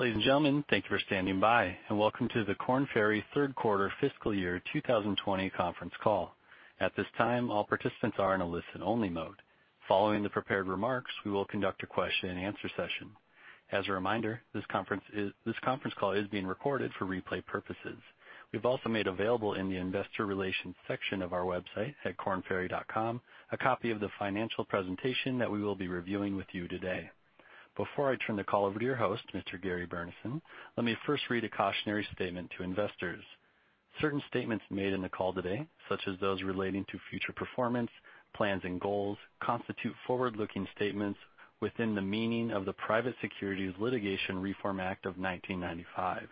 Ladies and gentlemen, thank you for standing by and welcome to the Korn Ferry third quarter fiscal year 2020 conference call. At this time, all participants are in a listen only mode. Following the prepared remarks, we will conduct a question and answer session. As a reminder, this conference call is being recorded for replay purposes. We've also made available in the investor relations section of our website at kornferry.com a copy of the financial presentation that we will be reviewing with you today. Before I turn the call over to your host, Mr. Gary Burnison, let me first read a cautionary statement to investors. Certain statements made in the call today, such as those relating to future performance, plans and goals, constitute forward-looking statements within the meaning of the Private Securities Litigation Reform Act of 1995.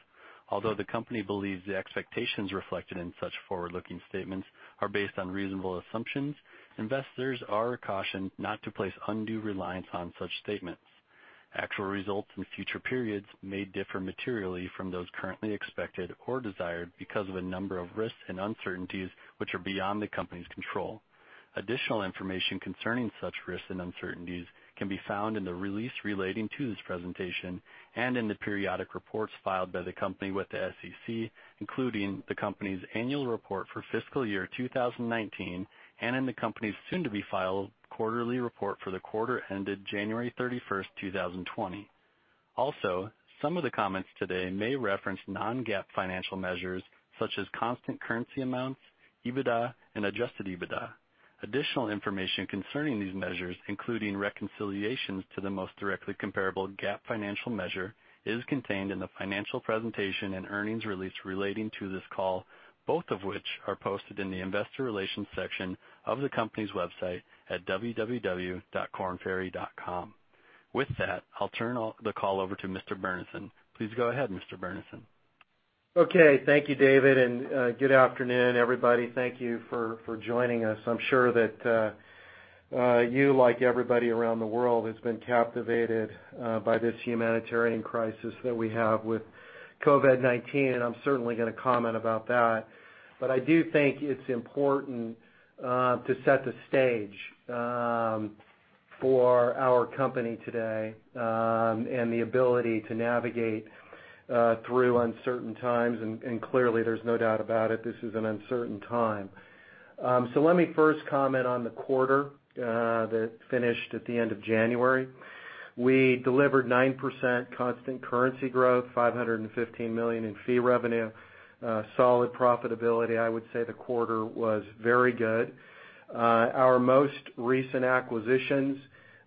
Although the company believes the expectations reflected in such forward-looking statements are based on reasonable assumptions, investors are cautioned not to place undue reliance on such statements. Actual results in future periods may differ materially from those currently expected or desired because of a number of risks and uncertainties, which are beyond the company's control. Additional information concerning such risks and uncertainties can be found in the release relating to this presentation and in the periodic reports filed by the company with the SEC, including the company's annual report for fiscal year 2019 and in the company's soon to be filed quarterly report for the quarter ended January 31st, 2020. Some of the comments today may reference non-GAAP financial measures such as constant currency amounts, EBITDA and adjusted EBITDA. Additional information concerning these measures, including reconciliations to the most directly comparable GAAP financial measure, is contained in the financial presentation and earnings release relating to this call, both of which are posted in the investor relations section of the company's website at www.kornferry.com. With that, I'll turn the call over to Mr. Burnison. Please go ahead, Mr. Burnison. Okay. Thank you, David. Good afternoon, everybody. Thank you for joining us. I'm sure that you, like everybody around the world, has been captivated by this humanitarian crisis that we have with COVID-19. I'm certainly going to comment about that. I do think it's important to set the stage for our company today and the ability to navigate through uncertain times. Clearly, there's no doubt about it, this is an uncertain time. Let me first comment on the quarter that finished at the end of January. We delivered 9% constant currency growth, $515 million in fee revenue, solid profitability. I would say the quarter was very good. Our most recent acquisitions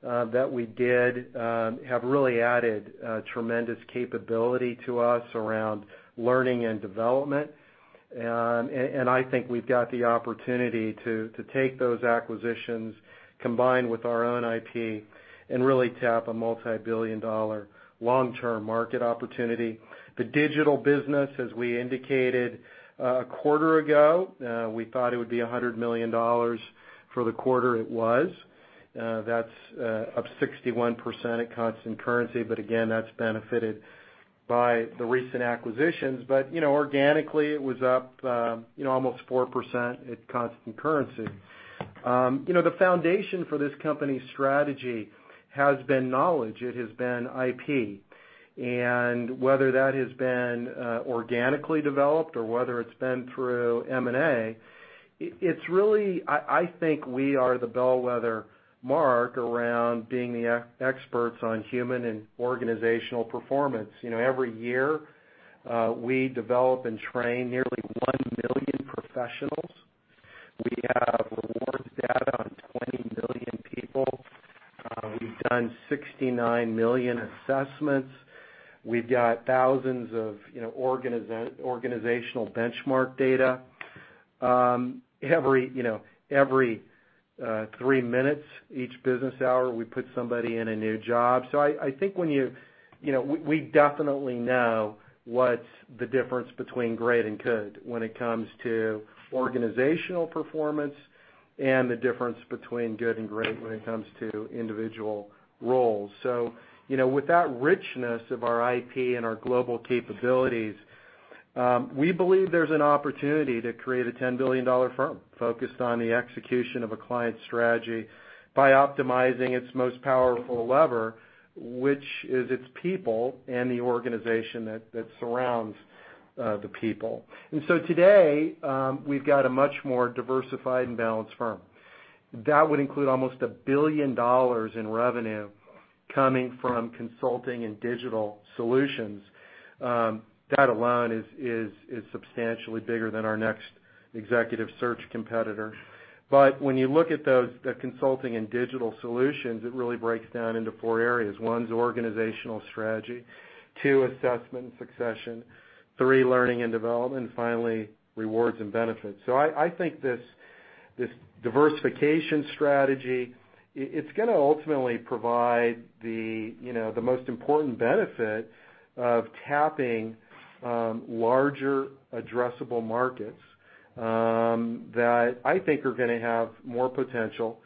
that we did have really added tremendous capability to us around learning and development. I think we've got the opportunity to take those acquisitions, combine with our own IP, and really tap a multi-billion dollar long-term market opportunity. The digital business, as we indicated a quarter ago, we thought it would be $100 million for the quarter. It was. That's up 61% at constant currency, again, that's benefited by the recent acquisitions. Organically, it was up almost 4% at constant currency. The foundation for this company's strategy has been knowledge. It has been IP. Whether that has been organically developed or whether it's been through M&A, I think we are the bellwether mark around being the experts on human and organizational performance. Every year, we develop and train nearly 1 million professionals. We have rewards data on 20 million people. We've done 69 million assessments. We've got thousands of organizational benchmark data. Every three minutes each business hour, we put somebody in a new job. I think we definitely know what's the difference between great and good when it comes to organizational performance and the difference between good and great when it comes to individual roles. With that richness of our IP and our global capabilities, we believe there's an opportunity to create a $10 billion firm focused on the execution of a client's strategy by optimizing its most powerful lever, which is its people and the organization that surrounds the people. Today, we've got a much more diversified and balanced firm. That would include almost $1 billion in revenue coming from consulting and digital solutions. That alone is substantially bigger than our next executive search competitor. When you look at the consulting and digital solutions, it really breaks down into four areas. One's organizational strategy, two, assessment and succession, three, learning and development, and finally, rewards and benefits. I think this diversification strategy, it's going to ultimately provide the most important benefit of tapping larger addressable markets that I think are going to have more potential,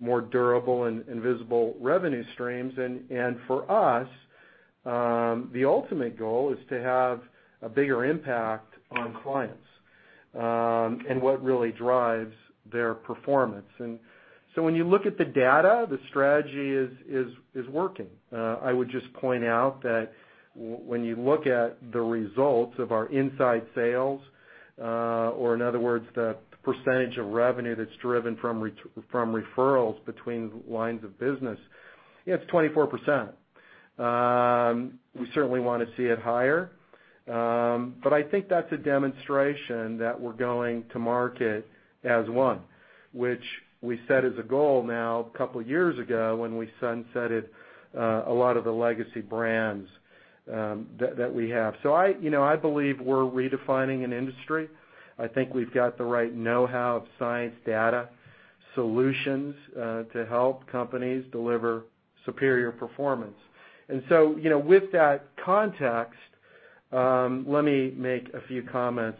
more durable and visible revenue streams. For us, the ultimate goal is to have a bigger impact on clients. What really drives their performance. When you look at the data, the strategy is working. I would just point out that when you look at the results of our inside sales, or in other words, the percentage of revenue that's driven from referrals between lines of business, it's 24%. We certainly want to see it higher. I think that's a demonstration that we're going to market as one, which we set as a goal now a couple years ago when we sunsetted a lot of the legacy brands that we have. I believe we're redefining an industry. I think we've got the right know-how of science data solutions to help companies deliver superior performance. With that context, let me make a few comments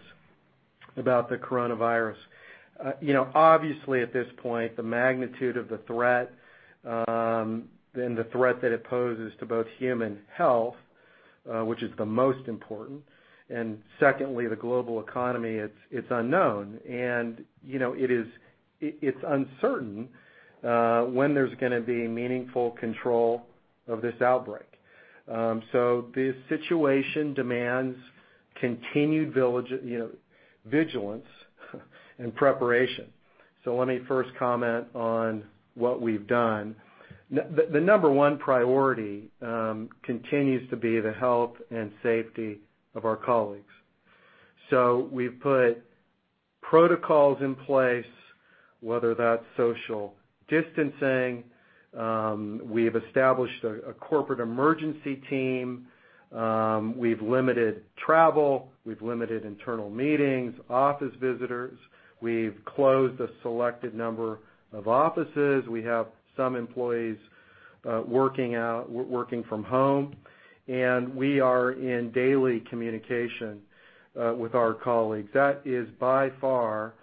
about the coronavirus. Obviously, at this point, the magnitude of the threat and the threat that it poses to both human health, which is the most important, and secondly, the global economy, it's unknown. It's uncertain when there's going to be meaningful control of this outbreak. The situation demands continued vigilance and preparation. Let me first comment on what we've done. The number 1 priority continues to be the health and safety of our colleagues. We've put protocols in place, whether that's social distancing. We've established a corporate emergency team. We've limited travel. We've limited internal meetings, office visitors. We've closed a selected number of offices. We have some employees working from home, and we are in daily communication with our colleagues. That is by far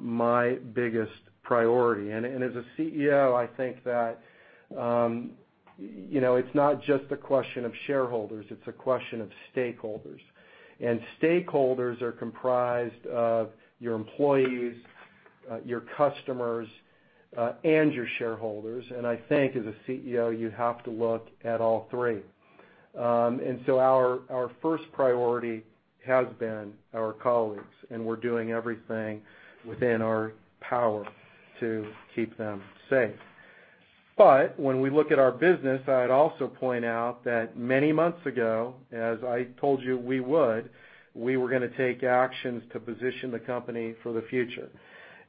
my biggest priority. As a CEO, I think that it's not just a question of shareholders, it's a question of stakeholders. Stakeholders are comprised of your employees, your customers, and your shareholders. I think as a CEO, you have to look at all three. Our first priority has been our colleagues, and we're doing everything within our power to keep them safe. When we look at our business, I'd also point out that many months ago, as I told you we would, we were going to take actions to position the company for the future.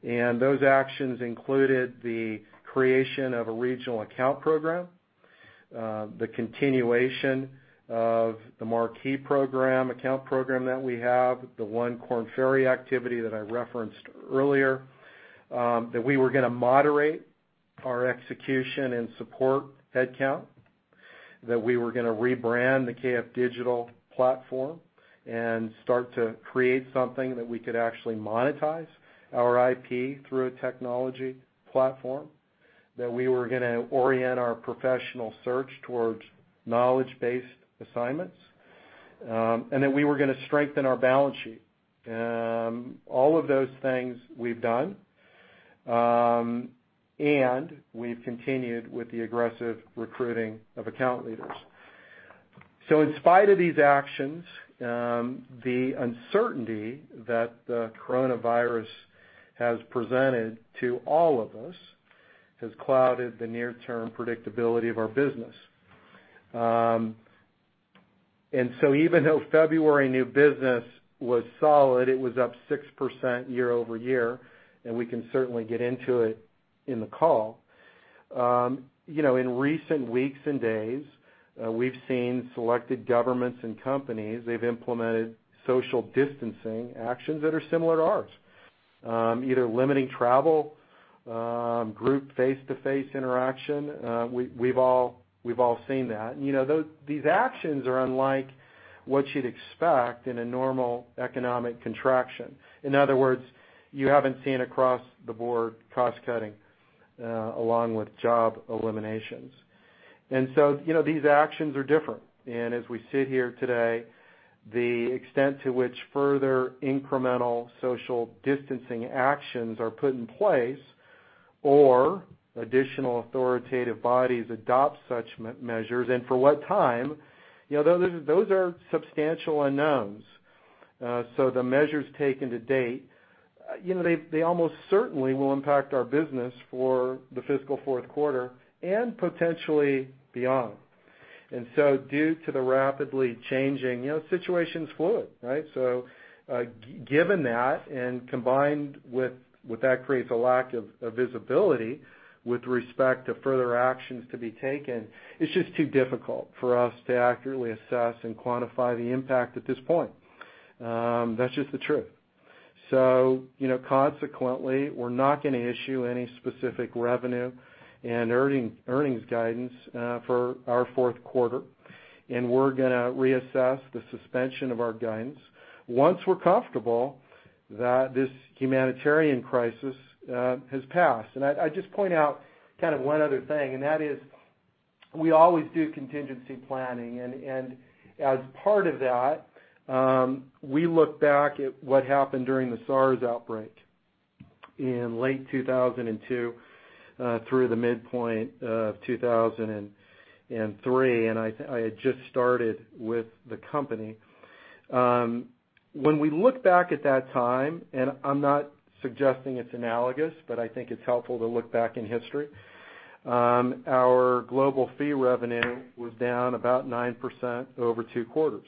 Those actions included the creation of a regional account program, the continuation of the marquee account program that we have, the one Korn Ferry activity that I referenced earlier. That we were going to moderate our execution and support headcount. That we were going to rebrand the KF Digital platform and start to create something that we could actually monetize our IP through a technology platform. That we were going to orient our professional search towards knowledge-based assignments. That we were going to strengthen our balance sheet. All of those things we've done, and we've continued with the aggressive recruiting of account leaders. In spite of these actions, the uncertainty that the coronavirus has presented to all of us has clouded the near-term predictability of our business. Even though February new business was solid, it was up 6% year-over-year, and we can certainly get into it in the call. In recent weeks and days, we've seen selected governments and companies, they've implemented social distancing actions that are similar to ours. Either limiting travel, group face-to-face interaction, we've all seen that. These actions are unlike what you'd expect in a normal economic contraction. In other words, you haven't seen across the board cost-cutting along with job eliminations. These actions are different. As we sit here today, the extent to which further incremental social distancing actions are put in place or additional authoritative bodies adopt such measures and for what time, those are substantial unknowns. The measures taken to date, they almost certainly will impact our business for the fiscal fourth quarter and potentially beyond. Due to the rapidly changing situation's fluid, right? Given that and combined with what that creates a lack of visibility with respect to further actions to be taken, it's just too difficult for us to accurately assess and quantify the impact at this point. That's just the truth. Consequently, we're not going to issue any specific revenue and earnings guidance for our fourth quarter, and we're going to reassess the suspension of our guidance once we're comfortable that this humanitarian crisis has passed. I just point out one other thing, and that is. We always do contingency planning. As part of that, we look back at what happened during the SARS outbreak in late 2002 through the midpoint of 2003. I had just started with the company. When we look back at that time, and I'm not suggesting it's analogous, but I think it's helpful to look back in history, our global fee revenue was down about 9% over two quarters.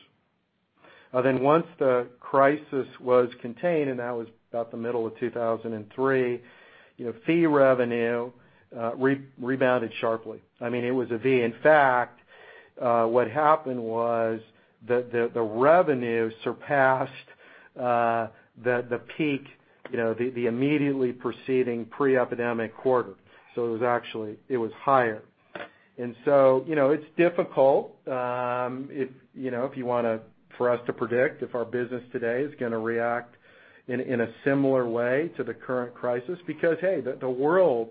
Once the crisis was contained, and that was about the middle of 2003, fee revenue rebounded sharply. It was a V. In fact, what happened was the revenue surpassed the peak, the immediately preceding pre-epidemic quarter. It was higher. It's difficult, if you want for us to predict if our business today is going to react in a similar way to the current crisis because, hey, the world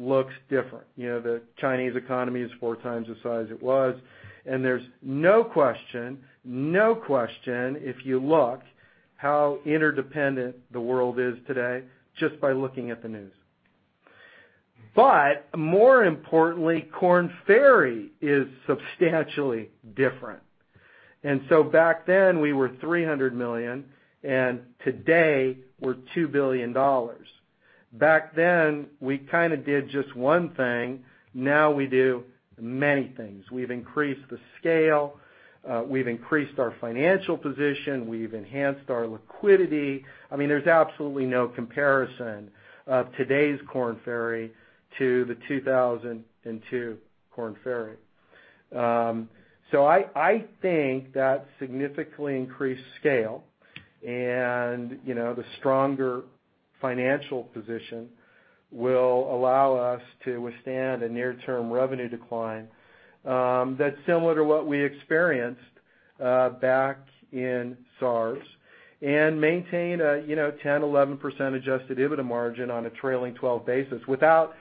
looks different. The Chinese economy is four times the size it was. There's no question if you look how interdependent the world is today, just by looking at the news. More importantly, Korn Ferry is substantially different. Back then, we were $300 million, and today we're $2 billion. Back then, we kind of did just one thing. Now we do many things. We've increased the scale. We've increased our financial position. We've enhanced our liquidity. There's absolutely no comparison of today's Korn Ferry to the 2002 Korn Ferry. I think that significantly increased scale and the stronger financial position will allow us to withstand a near-term revenue decline that's similar to what we experienced back in SARS and maintain a 10%-11% adjusted EBITDA margin on a trailing 12 basis without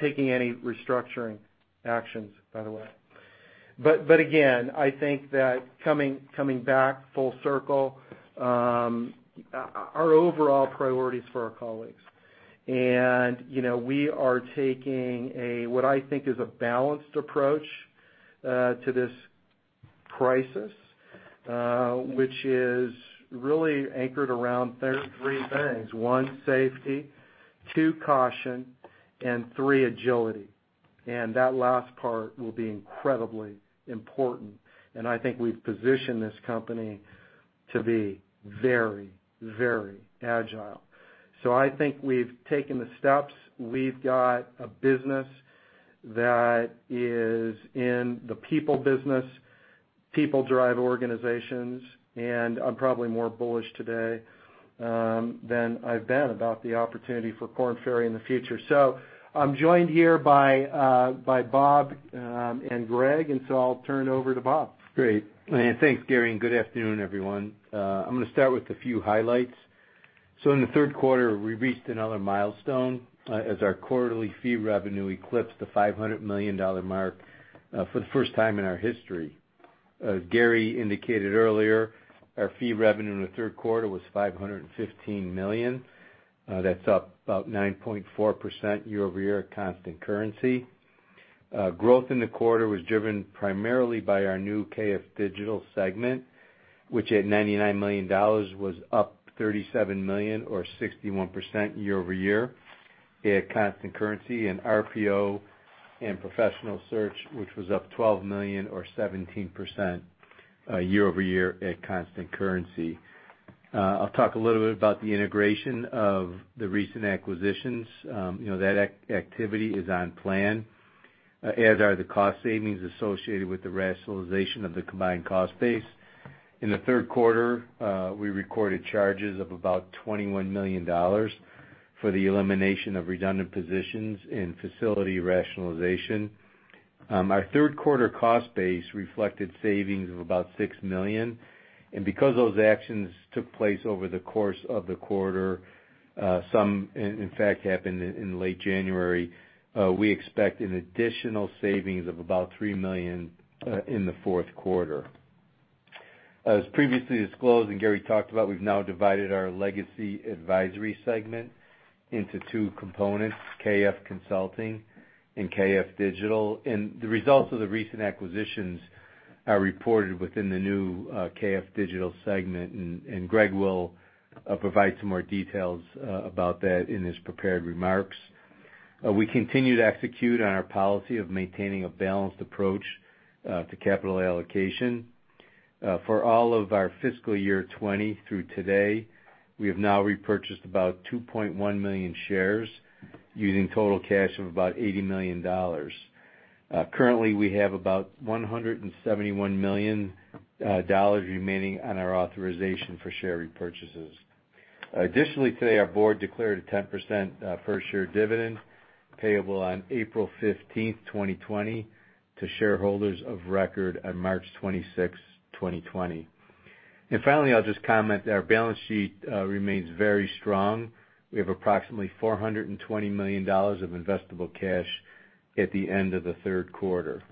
taking any restructuring actions, by the way. Again, I think that coming back full circle, our overall priority is for our colleagues. We are taking what I think is a balanced approach to this crisis, which is really anchored around three things. One, safety, two, caution, and three, agility. That last part will be incredibly important, and I think we've positioned this company to be very agile. I think we've taken the steps. We've got a business that is in the people business, people-drive organizations, and I'm probably more bullish today than I've been about the opportunity for Korn Ferry in the future. I'm joined here by Bob and Gregg, and I'll turn it over to Bob. Great. Thanks, Gary, good afternoon, everyone. I'm going to start with a few highlights. In the third quarter, we reached another milestone as our quarterly fee revenue eclipsed the $500 million mark for the first time in our history. As Gary indicated earlier, our fee revenue in the third quarter was $515 million. That's up about 9.4% year-over-year constant currency. Growth in the quarter was driven primarily by our new KF Digital segment, which at $99 million, was up $37 million or 61% year-over-year at constant currency and RPO and professional search, which was up $12 million or 17% year-over-year at constant currency. I'll talk a little bit about the integration of the recent acquisitions. That activity is on plan, as are the cost savings associated with the rationalization of the combined cost base. In the third quarter, we recorded charges of about $21 million for the elimination of redundant positions in facility rationalization. Our third quarter cost base reflected savings of about $6 million. Because those actions took place over the course of the quarter, some, in fact, happened in late January, we expect an additional savings of about $3 million in the fourth quarter. As previously disclosed, and Gary talked about, we've now divided our legacy advisory segment into two components, KF Consulting and KF Digital. The results of the recent acquisitions are reported within the new KF Digital segment, and Gregg will provide some more details about that in his prepared remarks. We continue to execute on our policy of maintaining a balanced approach to capital allocation. For all of our fiscal year 2020 through today, we have now repurchased about 2.1 million shares using total cash of about $80 million. Currently, we have about $171 million remaining on our authorization for share repurchases. Additionally, today our board declared a 10% per share dividend payable on April 15th, 2020 to shareholders of record on March 26th, 2020. Finally, I'll just comment that our balance sheet remains very strong. We have approximately $420 million of investable cash at the end of the third quarter.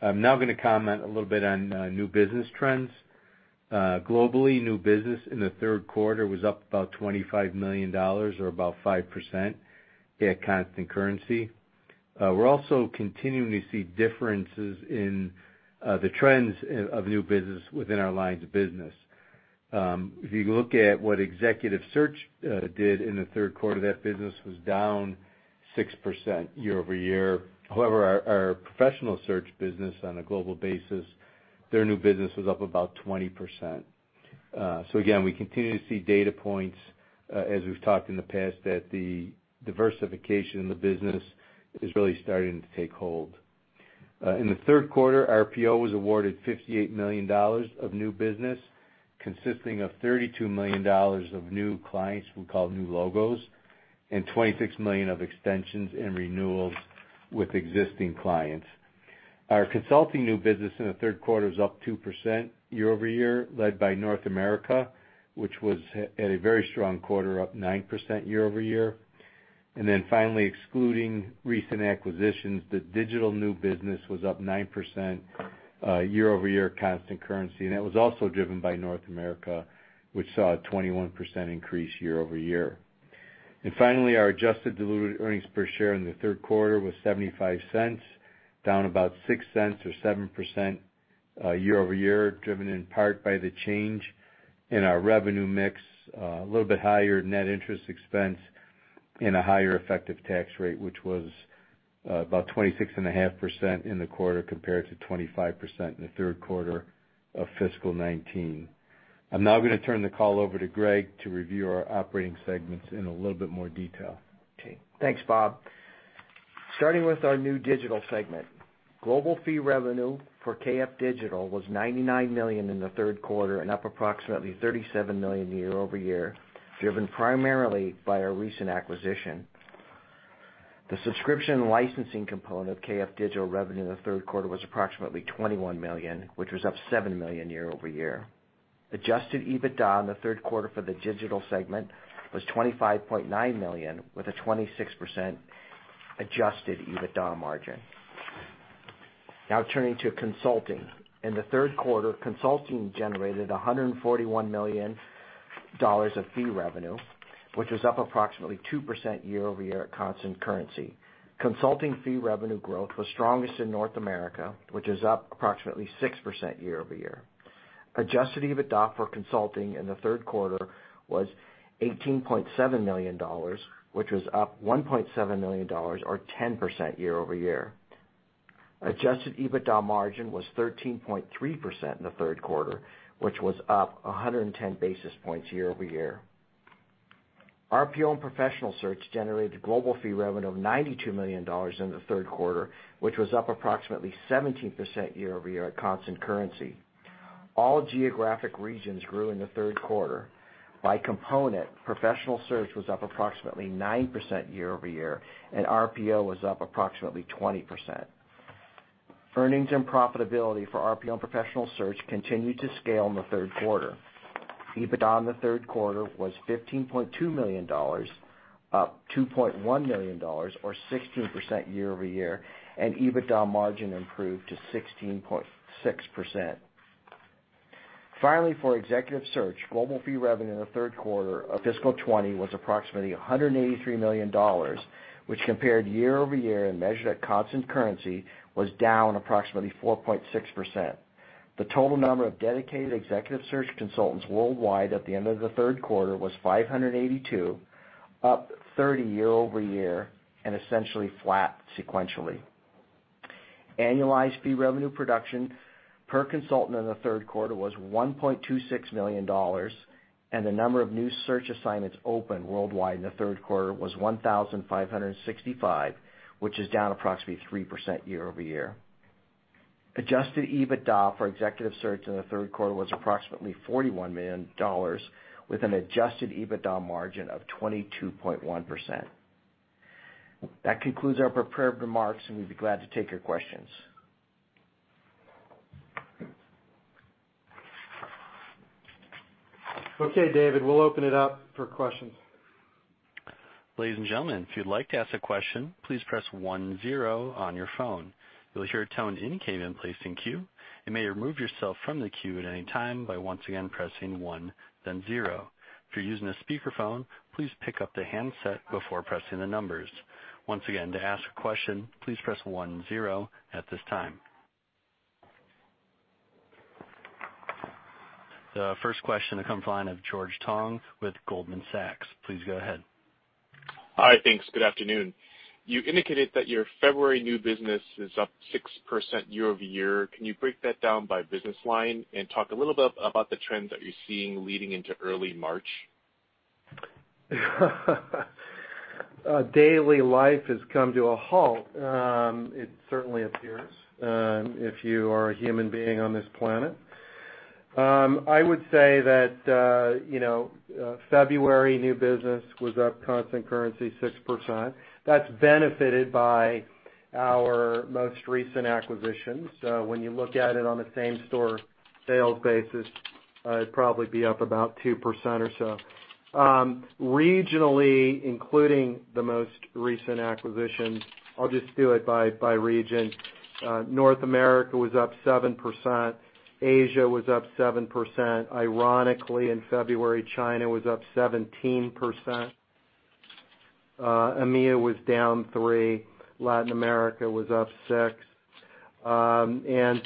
I'm now going to comment a little bit on new business trends. Globally, new business in the third quarter was up about $25 million, or about 5% at constant currency. We're also continuing to see differences in the trends of new business within our lines of business. You look at what executive search did in the third quarter, that business was down 6% year-over-year. Our professional search business on a global basis, their new business was up about 20%. Again, we continue to see data points, as we've talked in the past, that the diversification in the business is really starting to take hold. In the third quarter, our RPO was awarded $58 million of new business, consisting of $32 million of new clients, we call new logos, and $26 million of extensions and renewals with existing clients. Our consulting new business in the third quarter was up 2% year-over-year, led by North America, which was at a very strong quarter, up 9% year-over-year. Finally, excluding recent acquisitions, the digital new business was up 9% year-over-year constant currency, and that was also driven by North America, which saw a 21% increase year-over-year. Finally, our adjusted diluted earnings per share in the third quarter was $0.75, down about $0.06 or 7% year-over-year, driven in part by the change in our revenue mix. A little bit higher net interest expense and a higher effective tax rate, which was about 26.5% in the quarter, compared to 25% in the third quarter of fiscal 2019. I'm now going to turn the call over to Gregg to review our operating segments in a little bit more detail. Okay. Thanks, Bob. Starting with our new Digital segment. Global fee revenue for KF Digital was $99 million in the third quarter and up approximately $37 million year-over-year, driven primarily by our recent acquisition. The subscription licensing component of KF Digital revenue in the third quarter was approximately $21 million, which was up $7 million year-over-year. Adjusted EBITDA in the third quarter for the Digital segment was $25.9 million, with a 26% adjusted EBITDA margin. Turning to Consulting. In the third quarter, Consulting generated $141 million of fee revenue, which was up approximately 2% year-over-year at constant currency. Consulting fee revenue growth was strongest in North America, which is up approximately 6% year-over-year. Adjusted EBITDA for Consulting in the third quarter was $18.7 million, which was up $1.7 million or 10% year-over-year. Adjusted EBITDA margin was 13.3% in the third quarter, which was up 110 basis points year-over-year. RPO and professional search generated global fee revenue of $92 million in the third quarter, which was up approximately 17% year-over-year at constant currency. All geographic regions grew in the third quarter. By component, professional search was up approximately 9% year-over-year, and RPO was up approximately 20%. Earnings and profitability for RPO and professional search continued to scale in the third quarter. EBITDA in the third quarter was $15.2 million, up $2.1 million or 16% year-over-year, and EBITDA margin improved to 16.6%. Finally, for executive search, global fee revenue in the third quarter of fiscal 2020 was approximately $183 million, which compared year-over-year and measured at constant currency was down approximately 4.6%. The total number of dedicated executive search consultants worldwide at the end of the third quarter was 582, up 30 year-over-year and essentially flat sequentially. Annualized fee revenue production per consultant in the third quarter was $1.26 million, and the number of new search assignments opened worldwide in the third quarter was 1,565, which is down approximately 3% year-over-year. Adjusted EBITDA for executive search in the third quarter was approximately $41 million, with an adjusted EBITDA margin of 22.1%. That concludes our prepared remarks, and we'd be glad to take your questions. Okay, David, we'll open it up for questions. Ladies and gentlemen, if you'd like to ask a question, please press one zero on your phone. You'll hear a tone to indicate you've been placed in queue. You may remove yourself from the queue at any time by once again pressing one, then zero. If you're using a speakerphone, please pick up the handset before pressing the numbers. Once again, to ask a question, please press one zero at this time. The first question comes from the line of George Tong with Goldman Sachs. Please go ahead. Hi, thanks. Good afternoon. You indicated that your February new business is up 6% year-over-year. Can you break that down by business line and talk a little bit about the trends that you're seeing leading into early March? Daily life has come to a halt. It certainly appears, if you are a human being on this planet. I would say that February new business was up constant currency 6%. That's benefited by. Our most recent acquisitions, when you look at it on a same-store sales basis, it'd probably be up about 2% or so. Regionally, including the most recent acquisition, I'll just do it by region. North America was up 7%. Asia was up 7%. Ironically, in February, China was up 17%. EMEA was down 3%. Latin America was up 6%.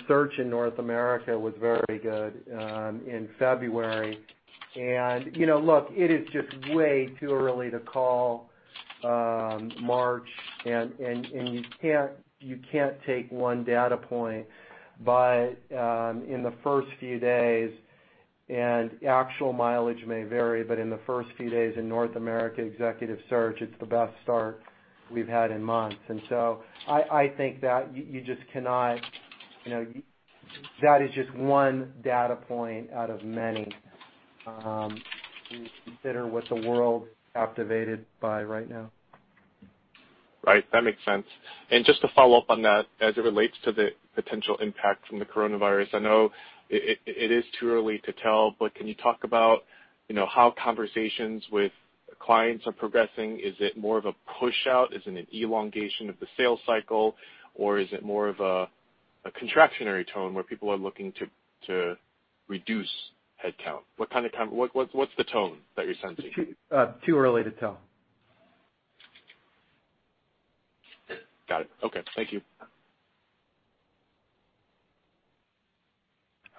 Search in North America was very good in February. Look, it is just way too early to call March, and you can't take one data point. In the first few days, and actual mileage may vary, but in the first few days in North America, executive search, it's the best start we've had in months. I think that is just one data point out of many, when you consider what the world is captivated by right now. Right. That makes sense. Just to follow up on that, as it relates to the potential impact from the coronavirus, I know it is too early to tell, but can you talk about how conversations with clients are progressing? Is it more of a push out? Is it an elongation of the sales cycle? Is it more of a contractionary tone where people are looking to reduce headcount? What's the tone that you're sensing? Too early to tell. Got it. Okay. Thank you.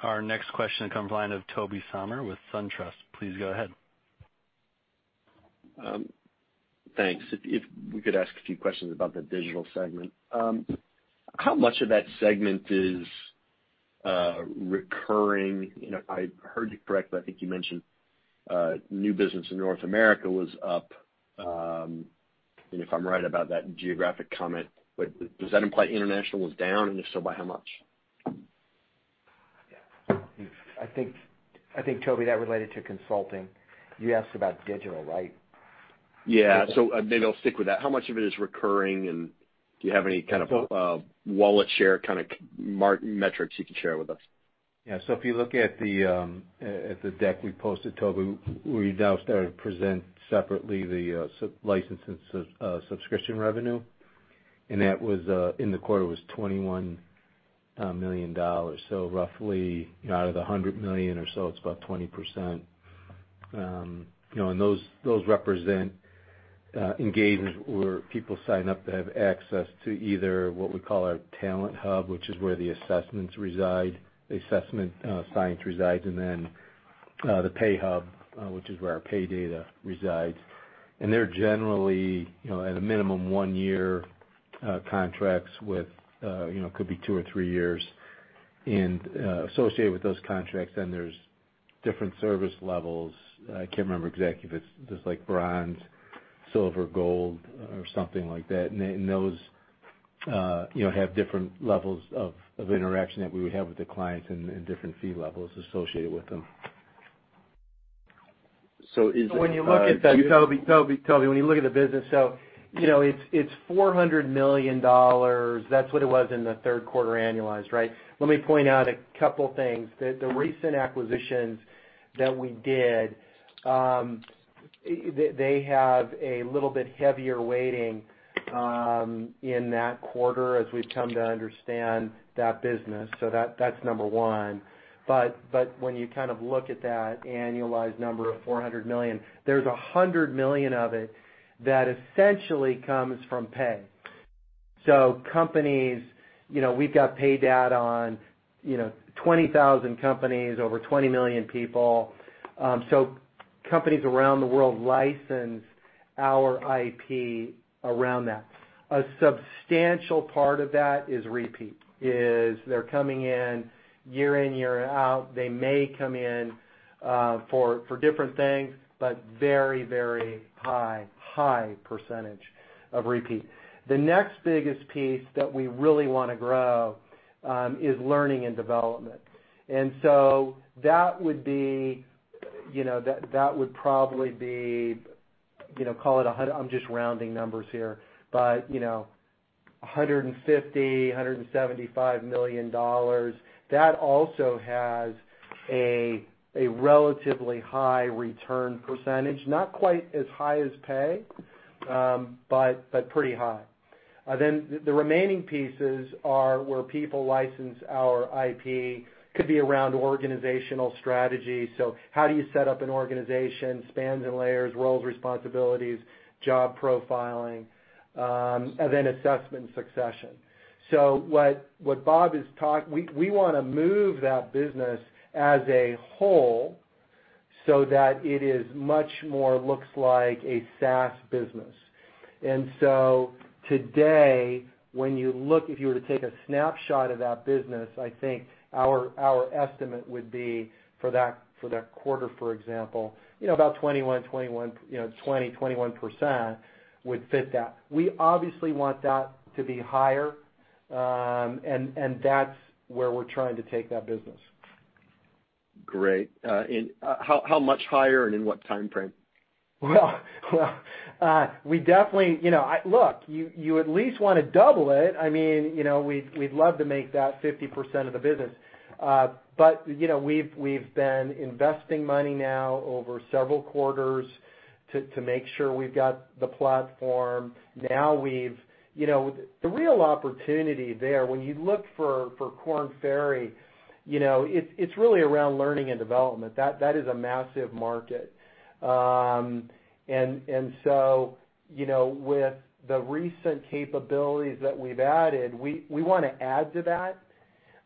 Our next question comes line of Tobey Sommer with SunTrust. Please go ahead. Thanks. If we could ask a few questions about the Digital segment. How much of that segment is recurring? If I heard you correctly, I think you mentioned new business in North America was up, and if I'm right about that geographic comment, but does that imply international was down, and if so, by how much? I think, Tobey, that related to consulting. You asked about digital, right? Yeah. Maybe I'll stick with that. How much of it is recurring, and do you have any kind of wallet share kind of metrics you can share with us? Yeah. If you look at the deck we posted, Tobey, we now started to present separately the license and subscription revenue, and that in the quarter was $21 million. Roughly out of the $100 million or so, it's about 20%. Those represent engagements where people sign up to have access to either what we call our Talent Hub, which is where the assessments reside, the assessment science resides, and then the Pay Hub, which is where our pay data resides. They're generally at a minimum one-year contracts with could be to or three years. Associated with those contracts, there's different service levels. I can't remember exactly if it's just bronze, silver, gold or something like that. Those have different levels of interaction that we would have with the clients and different fee levels associated with them. Tobey, when you look at the business, it's $400 million. That's what it was in the third quarter annualized, right? Let me point out a couple things. The recent acquisitions that we did, they have a little bit heavier weighting in that quarter as we've come to understand that business. That's number one. When you look at that annualized number of $400 million, there's $100 million of it that essentially comes from Pay. Companies, we've got Pay data on 20,000 companies, over 20 million people. Companies around the world license our IP around that. A substantial part of that is repeat, they're coming in year in, year out. They may come in for different things, but very high percentage of repeat. The next biggest piece that we really want to grow is learning and development. That would probably be, call it, I'm just rounding numbers here, but $150 million, $175 million. That also has a relatively high return percentage, not quite as high as pay, but pretty high. The remaining pieces are where people license our IP, could be around organizational strategy. How do you set up an organization, spans and layers, roles, responsibilities, job profiling, and then assessment succession. What Bob is, we want to move that business as a whole so that it is much more looks like a SaaS business. Today, when you look, if you were to take a snapshot of that business, I think our estimate would be for that quarter, for example, about 20%-21% would fit that. We obviously want that to be higher, and that's where we're trying to take that business. Great. How much higher and in what timeframe? Well, look, you at least want to double it. We'd love to make that 50% of the business. We've been investing money now over several quarters to make sure we've got the platform. The real opportunity there, when you look for Korn Ferry, it's really around learning and development. That is a massive market. With the recent capabilities that we've added, we want to add to that.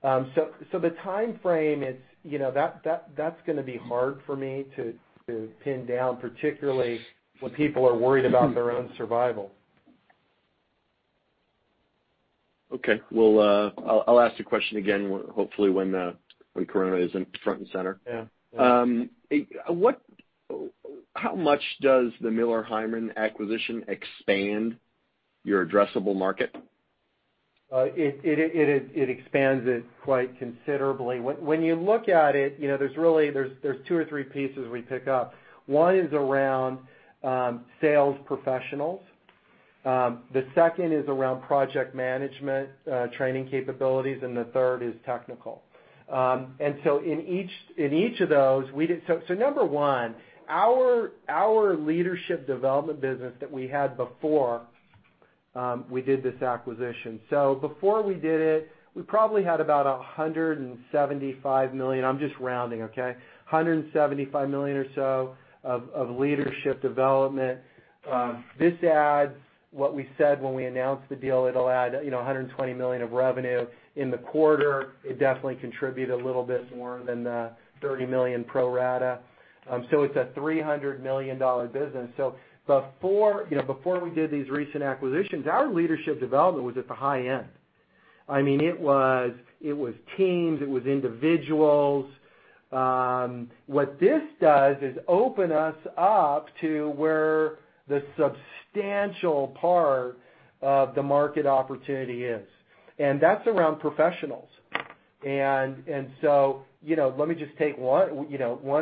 The timeframe, that's going to be hard for me to pin down, particularly when people are worried about their own survival. Okay. I'll ask the question again, hopefully when Corona isn't front and center. Yeah. How much does the Miller Heiman acquisition expand your addressable market? It expands it quite considerably. When you look at it, there's two or three pieces we pick up. One is around sales professionals, the second is around project management training capabilities, and the third is technical. Number one, our leadership development business that we had before we did this acquisition. Before we did it, we probably had about $175 million. I'm just rounding, okay? $175 million or so of leadership development. This adds what we said when we announced the deal, it'll add $120 million of revenue in the quarter. It definitely contributed a little bit more than the $30 million pro rata. It's a $300 million business. Before we did these recent acquisitions, our leadership development was at the high end. It was teams, it was individuals. What this does is open us up to where the substantial part of the market opportunity is. That's around professionals. Let me just take one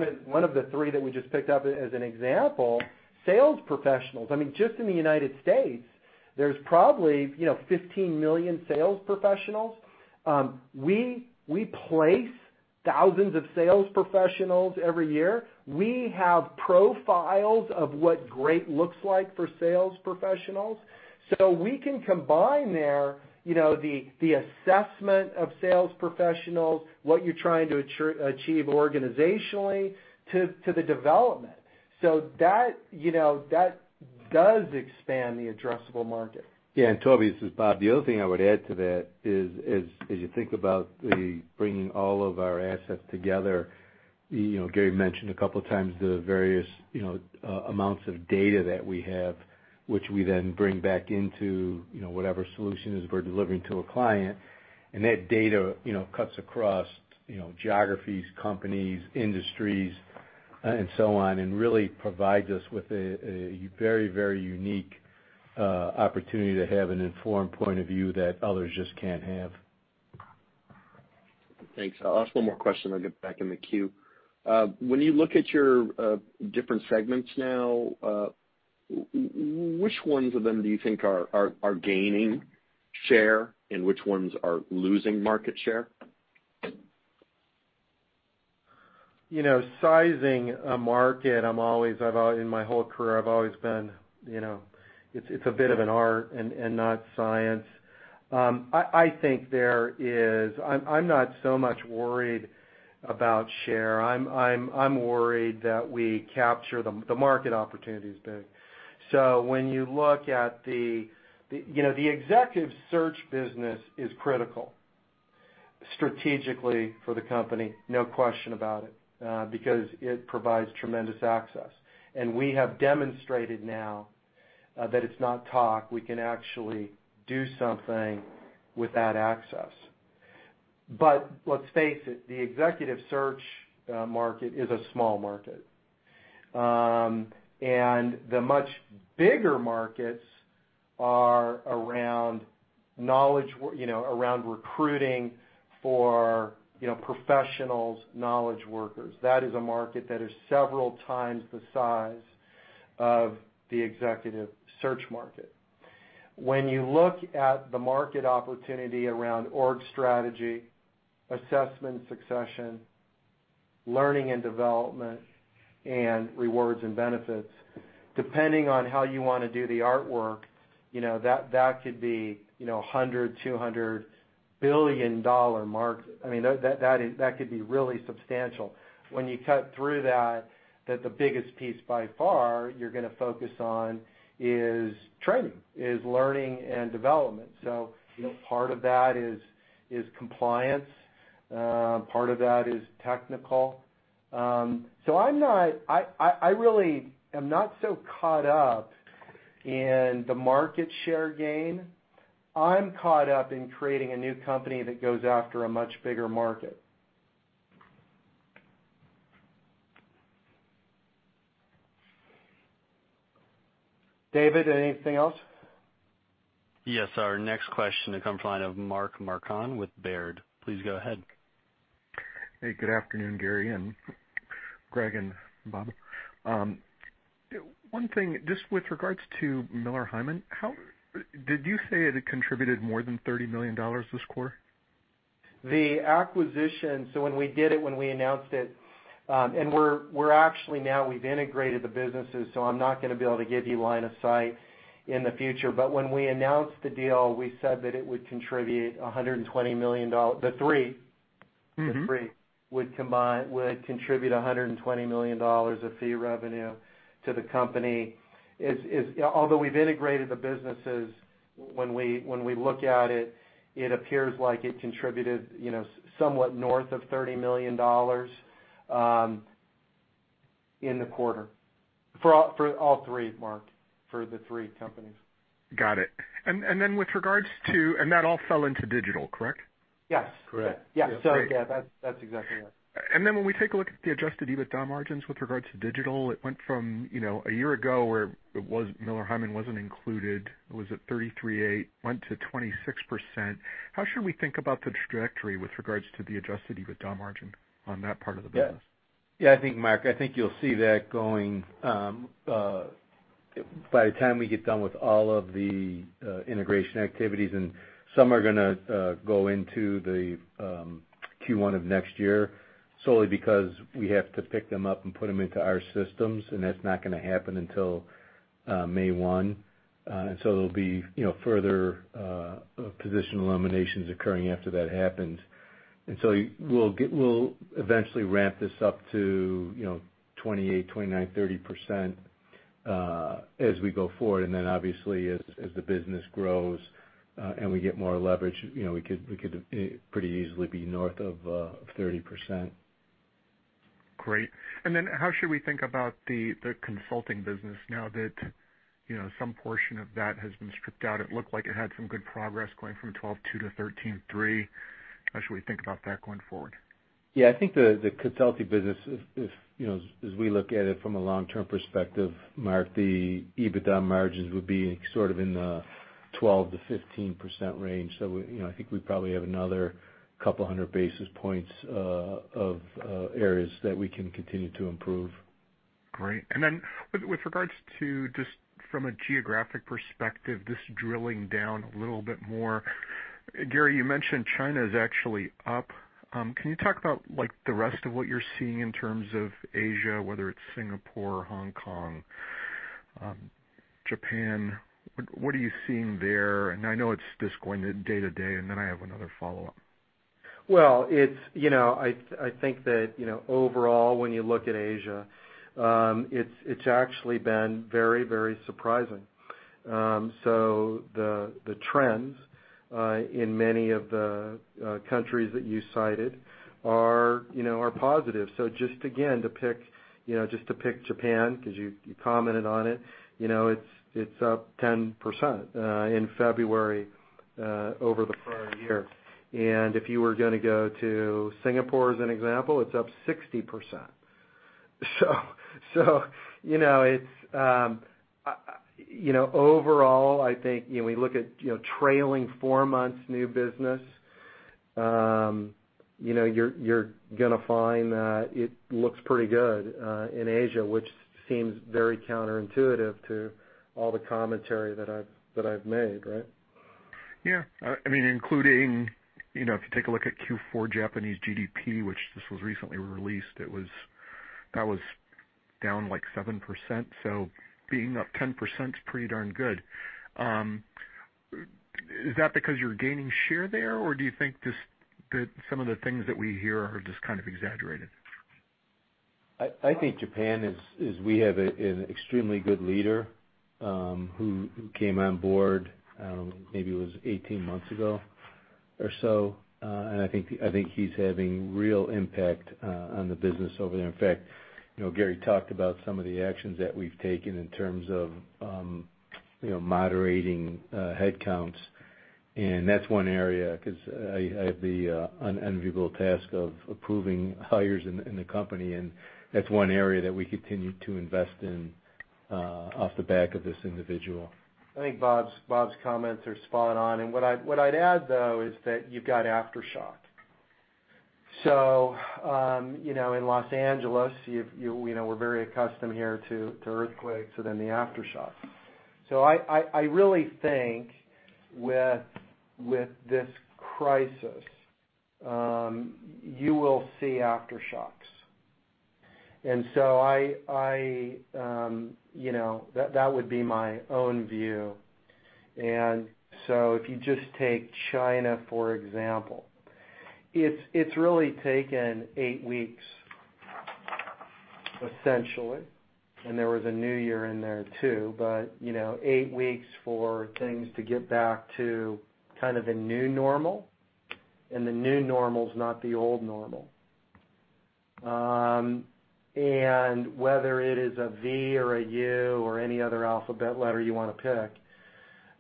of the three that we just picked up as an example, sales professionals. Just in the U.S., there's probably 15 million sales professionals. We place thousands of sales professionals every year. We have profiles of what great looks like for sales professionals. We can combine the assessment of sales professionals, what you're trying to achieve organizationally, to the development. That does expand the addressable market. Yeah, Tobey, this is Bob. The other thing I would add to that is as you think about the bringing all of our assets together, Gary mentioned a couple of times the various amounts of data that we have, which we then bring back into whatever solution it is we're delivering to a client. That data cuts across geographies, companies, industries, and so on, and really provides us with a very unique opportunity to have an informed point of view that others just can't have. Thanks. I'll ask one more question then I'll get back in the queue. When you look at your different segments now, which ones of them do you think are gaining share, and which ones are losing market share? Sizing a market, in my whole career, it's a bit of an art and not science. I'm not so much worried about share. I'm worried that we capture the market opportunity is big. The executive search business is critical strategically for the company, no question about it, because it provides tremendous access. We have demonstrated now that it's not talk. We can actually do something with that access. Let's face it, the executive search market is a small market. The much bigger markets are around recruiting for professionals, knowledge workers. That is a market that is several times the size of the executive search market. When you look at the market opportunity around org strategy, assessment and succession, learning and development, and rewards and benefits, depending on how you want to do the artwork, that could be a $100 billion, $200 billion market. That could be really substantial. When you cut through that, the biggest piece by far you're going to focus on is training, is learning and development. Part of that is compliance, part of that is technical. I really am not so caught up in the market share gain. I'm caught up in creating a new company that goes after a much bigger market. David, anything else? Yes. Our next question comes from the line of Mark Marcon with Baird. Please go ahead. Hey, good afternoon, Gary and Gregg and Bob. One thing, just with regards to Miller Heiman, did you say it had contributed more than $30 million this quarter? The acquisition, so when we did it, when we announced it, and we're actually now we've integrated the businesses, so I'm not going to be able to give you line of sight in the future. When we announced the deal, we said that it would contribute $120 million. The three would contribute $120 million of fee revenue to the company. Although we've integrated the businesses, when we look at it appears like it contributed somewhat north of $30 million in the quarter. For all three, Marc, for the three companies. Got it. That all fell into Digital, correct? Yes. Correct. Yeah. Yeah, that's exactly right. When we take a look at the adjusted EBITDA margins with regards to Digital, it went from a year ago where Miller Heiman wasn't included. It was at 33.8%, went to 26%. How should we think about the trajectory with regards to the adjusted EBITDA margin on that part of the business? Yeah, I think, Mark, I think you'll see that going by the time we get done with all of the integration activities, and some are gonna go into the Q1 of next year, solely because we have to pick them up and put them into our systems, and that's not going to happen until May 1. There'll be further position eliminations occurring after that happens. We'll eventually ramp this up to 28%, 29%, 30% as we go forward. Obviously as the business grows and we get more leverage, we could pretty easily be north of 30%. Great. How should we think about the consulting business now that some portion of that has been stripped out? It looked like it had some good progress going from $12.2-$13.3. How should we think about that going forward? Yeah, I think the consulting business, as we look at it from a long-term perspective, Mark, the EBITDA margins would be sort of in the 12%-15% range. I think we probably have another 200 basis points of areas that we can continue to improve. Great. With regards to just from a geographic perspective, just drilling down a little bit more. Gary, you mentioned China is actually up. Can you talk about the rest of what you're seeing in terms of Asia, whether it's Singapore, Hong Kong, Japan? What are you seeing there? I know it's just going day to day, and then I have another follow-up. Well, I think that overall, when you look at Asia, it's actually been very surprising. The trends in many of the countries that you cited are positive. Just again, just to pick Japan, because you commented on it's up 10% in February over the prior year. If you were going to go to Singapore as an example, it's up 60%. Overall, I think, when we look at trailing four months new business, you're going to find that it looks pretty good in Asia, which seems very counterintuitive to all the commentary that I've made, right? Yeah. If you take a look at Q4 Japanese GDP, which this was recently released, that was down like 7%. Being up 10% is pretty darn good. Is that because you're gaining share there, or do you think that some of the things that we hear are just kind of exaggerated? I think Japan is, we have an extremely good leader who came on board, maybe it was 18 months ago or so. I think he's having real impact on the business over there. In fact, Gary talked about some of the actions that we've taken in terms of moderating headcounts, and that's one area because I have the unenviable task of approving hires in the company, and that's one area that we continue to invest in off the back of this individual. I think Bob's comments are spot on. What I'd add, though, is that you've got aftershock. In L.A., we're very accustomed here to earthquakes and then the aftershocks. I really think with this crisis, you will see aftershocks. That would be my own view. If you just take China, for example, it's really taken eight weeks, essentially, and there was a new year in there, too. Eight weeks for things to get back to kind of a new normal, and the new normal is not the old normal. Whether it is a V or a U or any other alphabet letter you want to pick,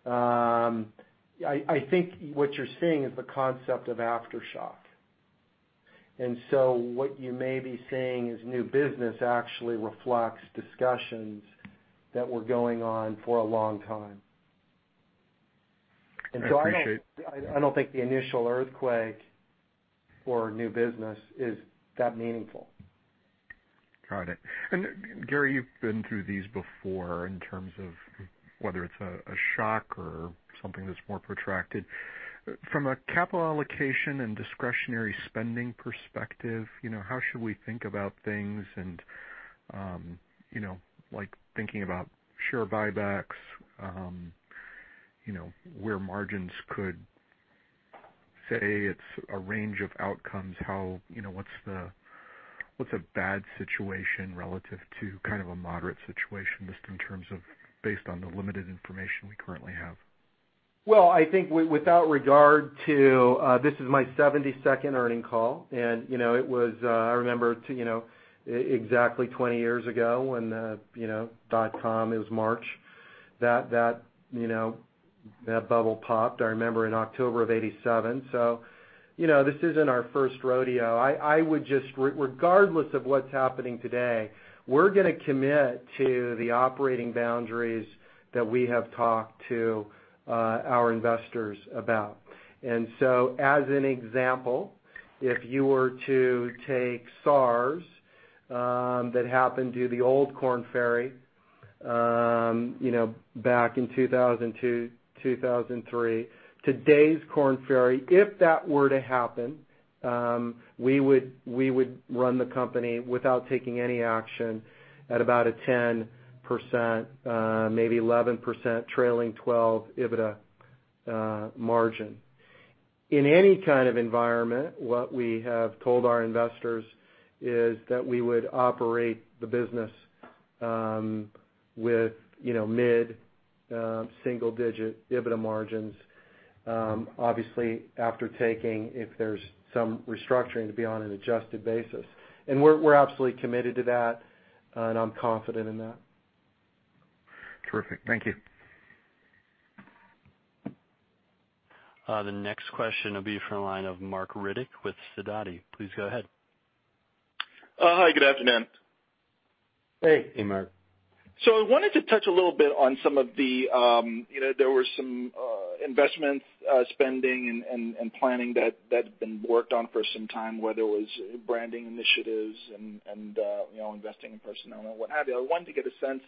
I think what you're seeing is the concept of aftershock. What you may be seeing as new business actually reflects discussions that were going on for a long time. I appreciate. I don't think the initial earthquake for new business is that meaningful. Got it. Gary, you've been through these before in terms of whether it's a shock or something that's more protracted. From a capital allocation and discretionary spending perspective, how should we think about things and thinking about share buybacks, where margins could say it's a range of outcomes, what's a bad situation relative to a moderate situation, just in terms of based on the limited information we currently have? Well, I think without regard to this is my 72nd earning call, I remember exactly 20 years ago when dot-com, it was March, that bubble popped, I remember in October of 1987. This isn't our first rodeo. Regardless of what's happening today, we're going to commit to the operating boundaries that we have talked to our investors about. As an example, if you were to take SARS, that happened to the old Korn Ferry, back in 2002, 2003. Today's Korn Ferry, if that were to happen, we would run the company without taking any action at about a 10%, maybe 11% trailing 12 EBITDA margin. In any kind of environment, what we have told our investors is that we would operate the business with mid-single digit EBITDA margins, obviously after taking, if there's some restructuring to be on an adjusted basis. We're absolutely committed to that, and I'm confident in that. Terrific. Thank you. The next question will be from the line of Marc Riddick with Sidoti. Please go ahead. Hi, good afternoon. Hey, Marc. I wanted to touch a little bit on there were some investment spending and planning that's been worked on for some time, whether it was branding initiatives and investing in personnel and what have you. I wanted to get a sense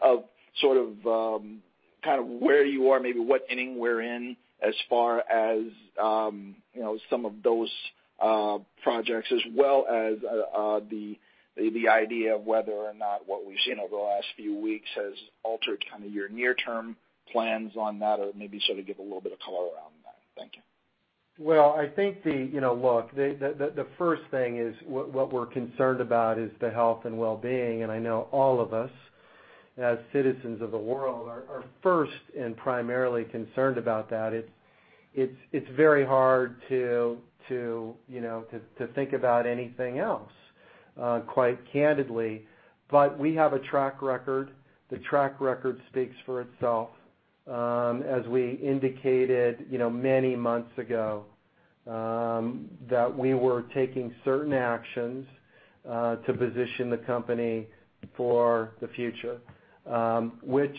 of sort of where you are, maybe what inning we're in as far as some of those projects as well as the idea of whether or not what we've seen over the last few weeks has altered your near-term plans on that, or maybe sort of give a little bit of color around that. Thank you. The first thing is what we're concerned about is the health and well-being. I know all of us, as citizens of the world, are first and primarily concerned about that. It's very hard to think about anything else, quite candidly. We have a track record. The track record speaks for itself. As we indicated, many months ago, that we were taking certain actions to position the company for the future, which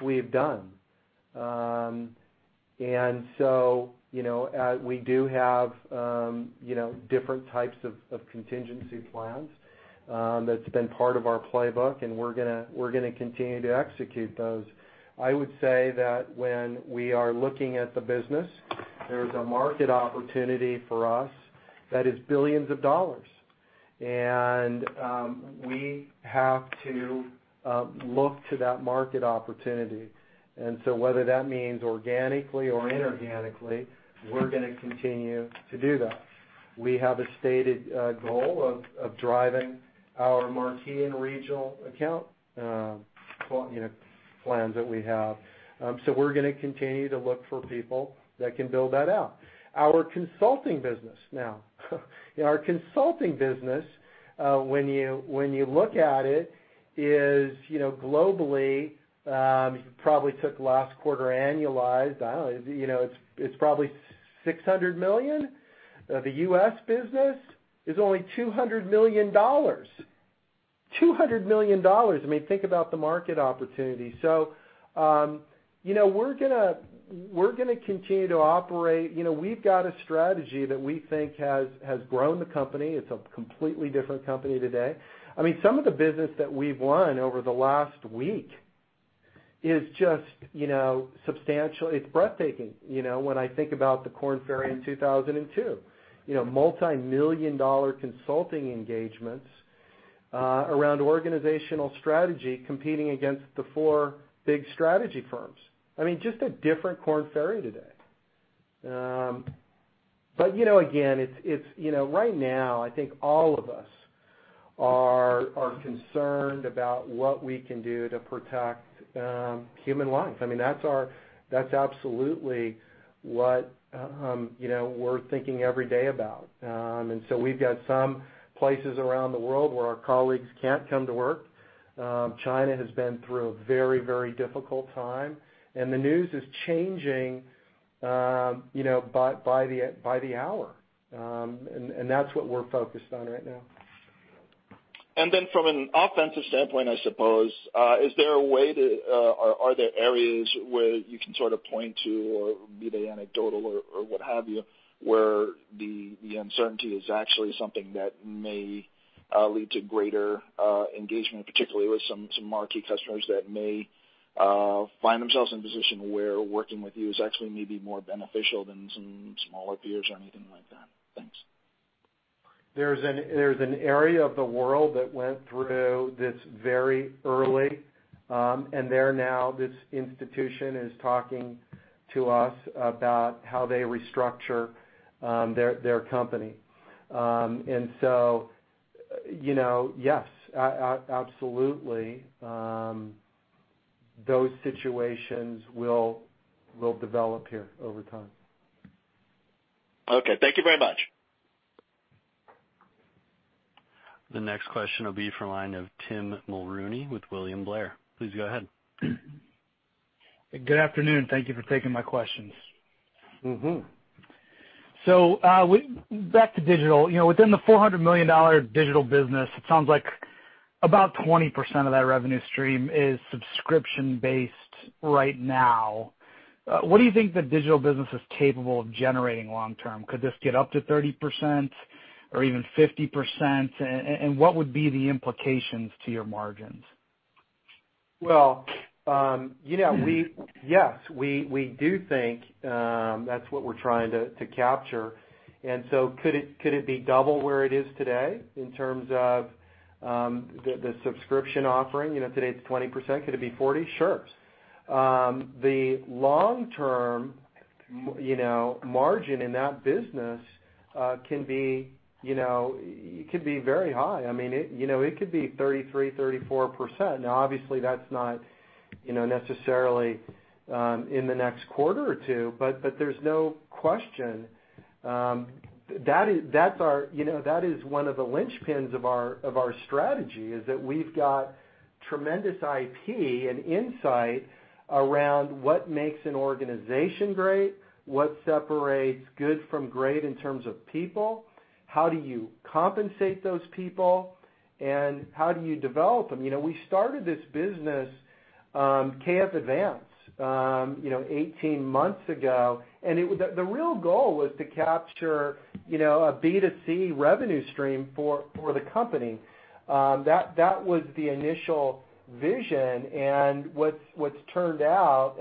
we've done. We do have different types of contingency plans. That's been part of our playbook, and we're going to continue to execute those. I would say that when we are looking at the business, there is a market opportunity for us that is billions of dollars. We have to look to that market opportunity. Whether that means organically or inorganically, we're going to continue to do that. We have a stated goal of driving our marquee and regional account plans that we have. We're going to continue to look for people that can build that out. Our consulting business now. Our consulting business, when you look at it, is globally, if you probably took last quarter annualized, it's probably $600 million. The U.S. business is only $200 million. $200 million. Think about the market opportunity. We're going to continue to operate. We've got a strategy that we think has grown the company. It's a completely different company today. Some of the business that we've won over the last week is just substantial. It's breathtaking when I think about the Korn Ferry in 2002. Multimillion-dollar consulting engagements around organizational strategy competing against the four big strategy firms. Just a different Korn Ferry today. Again, right now, I think all of us are concerned about what we can do to protect human life. That's absolutely what we're thinking every day about. So we've got some places around the world where our colleagues can't come to work. China has been through a very difficult time, and the news is changing by the hour. That's what we're focused on right now. From an offensive standpoint, I suppose, are there areas where you can sort of point to or be they anecdotal or what have you, where the uncertainty is actually something that may lead to greater engagement, particularly with some marquee customers that may find themselves in a position where working with you is actually maybe more beneficial than some smaller peers or anything like that? Thanks. There's an area of the world that went through this very early, and they're now, this institution is talking to us about how they restructure their company. Yes, absolutely. Those situations will develop here over time. Okay. Thank you very much. The next question will be for the line of Tim Mulrooney with William Blair. Please go ahead. Good afternoon. Thank you for taking my questions. Back to digital. Within the $400 million digital business, it sounds like about 20% of that revenue stream is subscription-based right now. What do you think the digital business is capable of generating long term? Could this get up to 30% or even 50%, and what would be the implications to your margins? Well, yes. We do think that's what we're trying to capture. Could it be double where it is today in terms of the subscription offering? Today it's 20%. Could it be 40%? Sure. The long-term margin in that business can be very high. It could be 33%-34%. Now, obviously, that's not necessarily in the next quarter or two. There's no question. That is one of the linchpins of our strategy, is that we've got tremendous IP and insight around what makes an organization great, what separates good from great in terms of people, how do you compensate those people, and how do you develop them. We started this business, KF Advance 18 months ago, and the real goal was to capture a B2C revenue stream for the company. That was the initial vision, and what's turned out,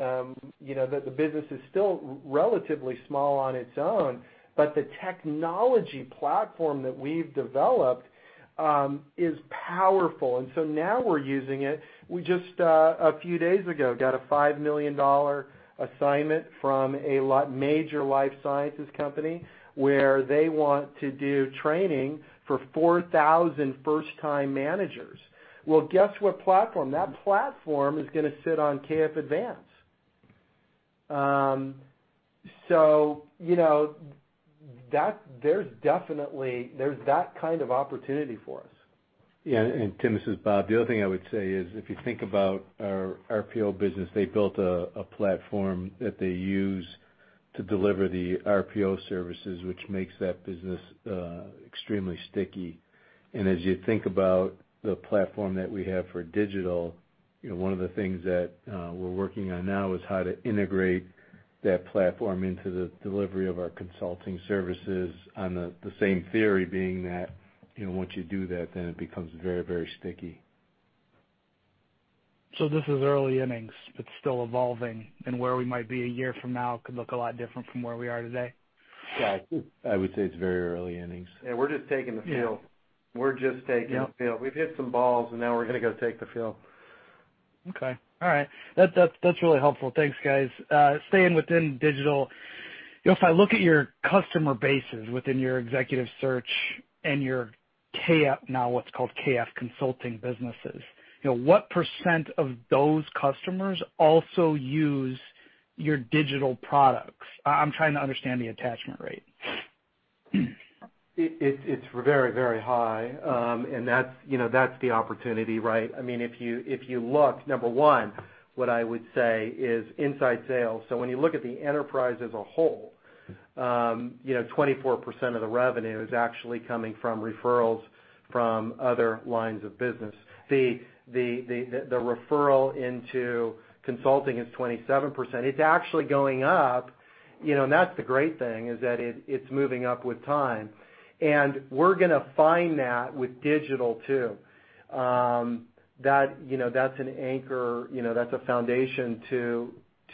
the business is still relatively small on its own, but the technology platform that we've developed is powerful, and so now we're using it. We just, a few days ago, got a $5 million assignment from a major life sciences company where they want to do training for 4,000 first-time managers. Well, guess what platform? That platform is going to sit on KF Advance. There's definitely that kind of opportunity for us. Yeah, Tim, this is Bob. The other thing I would say is, if you think about our RPO business, they built a platform that they use to deliver the RPO services, which makes that business extremely sticky. As you think about the platform that we have for digital, one of the things that we're working on now is how to integrate that platform into the delivery of our consulting services on the same theory being that, once you do that, then it becomes very, very sticky. This is early innings. It's still evolving, and where we might be a year from now could look a lot different from where we are today. Yeah, I would say it's very early innings. Yeah, we're just taking the field. Yeah. We're just taking the field. Yep. We've hit some balls, and now we're going to go take the field. Okay. All right. That's really helpful. Thanks, guys. Staying within digital, if I look at your customer bases within your executive search and your KF, now what's called KF Consulting businesses, what % of those customers also use your digital products? I'm trying to understand the attachment rate. It's very, very high. That's the opportunity, right? If you look, number one, what I would say is inside sales. When you look at the enterprise as a whole, 24% of the revenue is actually coming from referrals from other lines of business. The referral into consulting is 27%. It's actually going up, and that's the great thing, is that it's moving up with time. We're going to find that with digital, too. That's an anchor. That's a foundation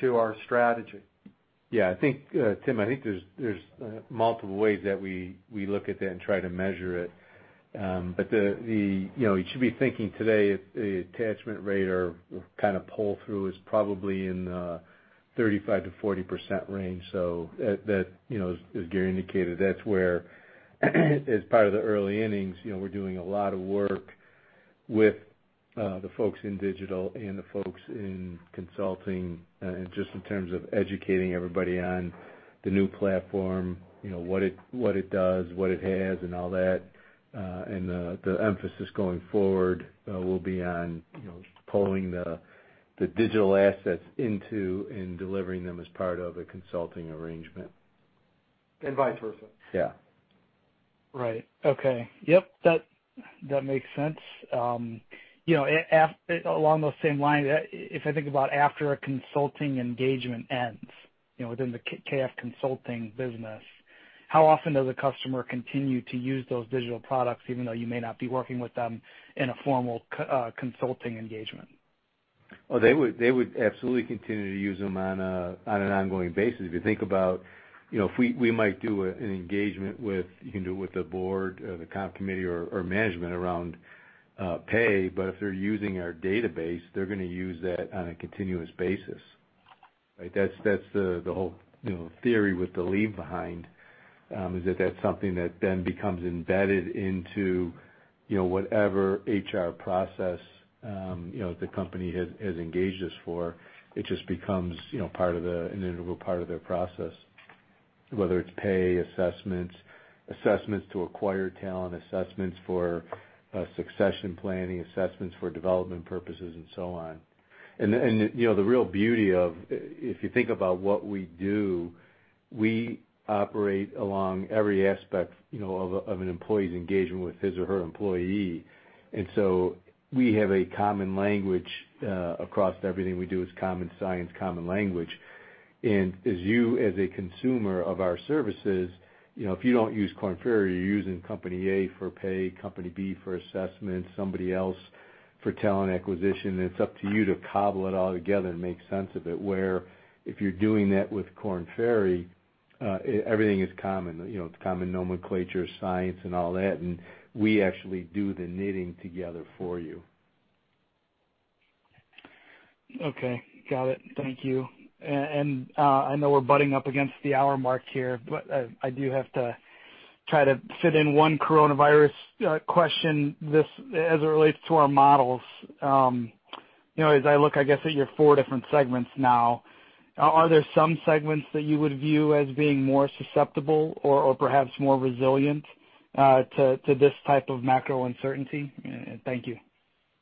to our strategy. Tim, I think there's multiple ways that we look at that and try to measure it. You should be thinking today, the attachment rate or kind of pull-through is probably in the 35%-40% range. As Gary indicated, that's where, as part of the early innings, we're doing a lot of work with the folks in KF Digital and the folks in KF Consulting, just in terms of educating everybody on the new platform, what it does, what it has, and all that. The emphasis going forward will be on pulling the digital assets into and delivering them as part of a consulting arrangement. Vice versa. Yeah. Right. Okay. Yep, that makes sense. Along those same lines, if I think about after a consulting engagement ends within the KF Consulting business, how often does a customer continue to use those digital products even though you may not be working with them in a formal consulting engagement? They would absolutely continue to use them on an ongoing basis. If you think about, we might do an engagement with the board, the comp committee, or management around pay. If they're using our database, they're going to use that on a continuous basis. That's the whole theory with the leave behind, is that that's something that then becomes embedded into whatever HR process the company has engaged us for. It just becomes an integral part of their process, whether it's pay assessments to acquire talent, assessments for succession planning, assessments for development purposes, and so on. The real beauty of, if you think about what we do, we operate along every aspect of an employee's engagement with his or her employee. We have a common language across everything we do. It's common science, common language. As you as a consumer of our services, if you don't use Korn Ferry, you're using company A for pay, company B for assessment, somebody else for talent acquisition, it's up to you to cobble it all together and make sense of it. Where if you're doing that with Korn Ferry, everything is common. It's common nomenclature, science, and all that. We actually do the knitting together for you. Okay. Got it. Thank you. I know we're butting up against the hour mark here, but I do have to try to fit in one coronavirus question as it relates to our models. As I look, I guess, at your four different segments now, are there some segments that you would view as being more susceptible or perhaps more resilient to this type of macro uncertainty? Thank you.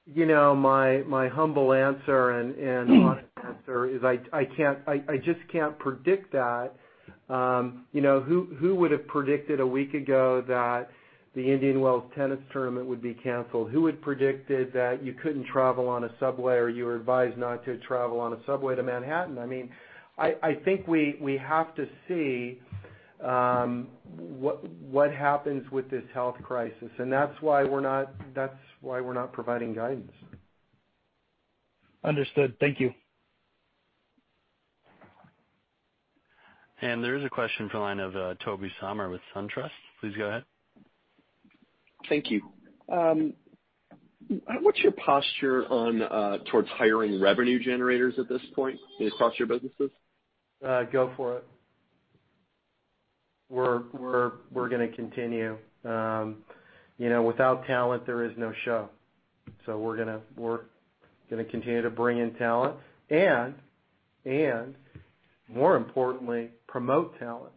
My humble answer and honest answer is I just can't predict that. Who would have predicted a week ago that the Indian Wells tennis tournament would be canceled? Who would have predicted that you couldn't travel on a subway, or you were advised not to travel on a subway to Manhattan? I think we have to see what happens with this health crisis. That's why we're not providing guidance. Understood. Thank you. There is a question from the line of Tobey Sommer with SunTrust. Please go ahead. Thank you. What's your posture towards hiring revenue generators at this point in across your businesses? Go for it. We're going to continue. Without talent, there is no show. We're going to continue to bring in talent and more importantly, promote talent.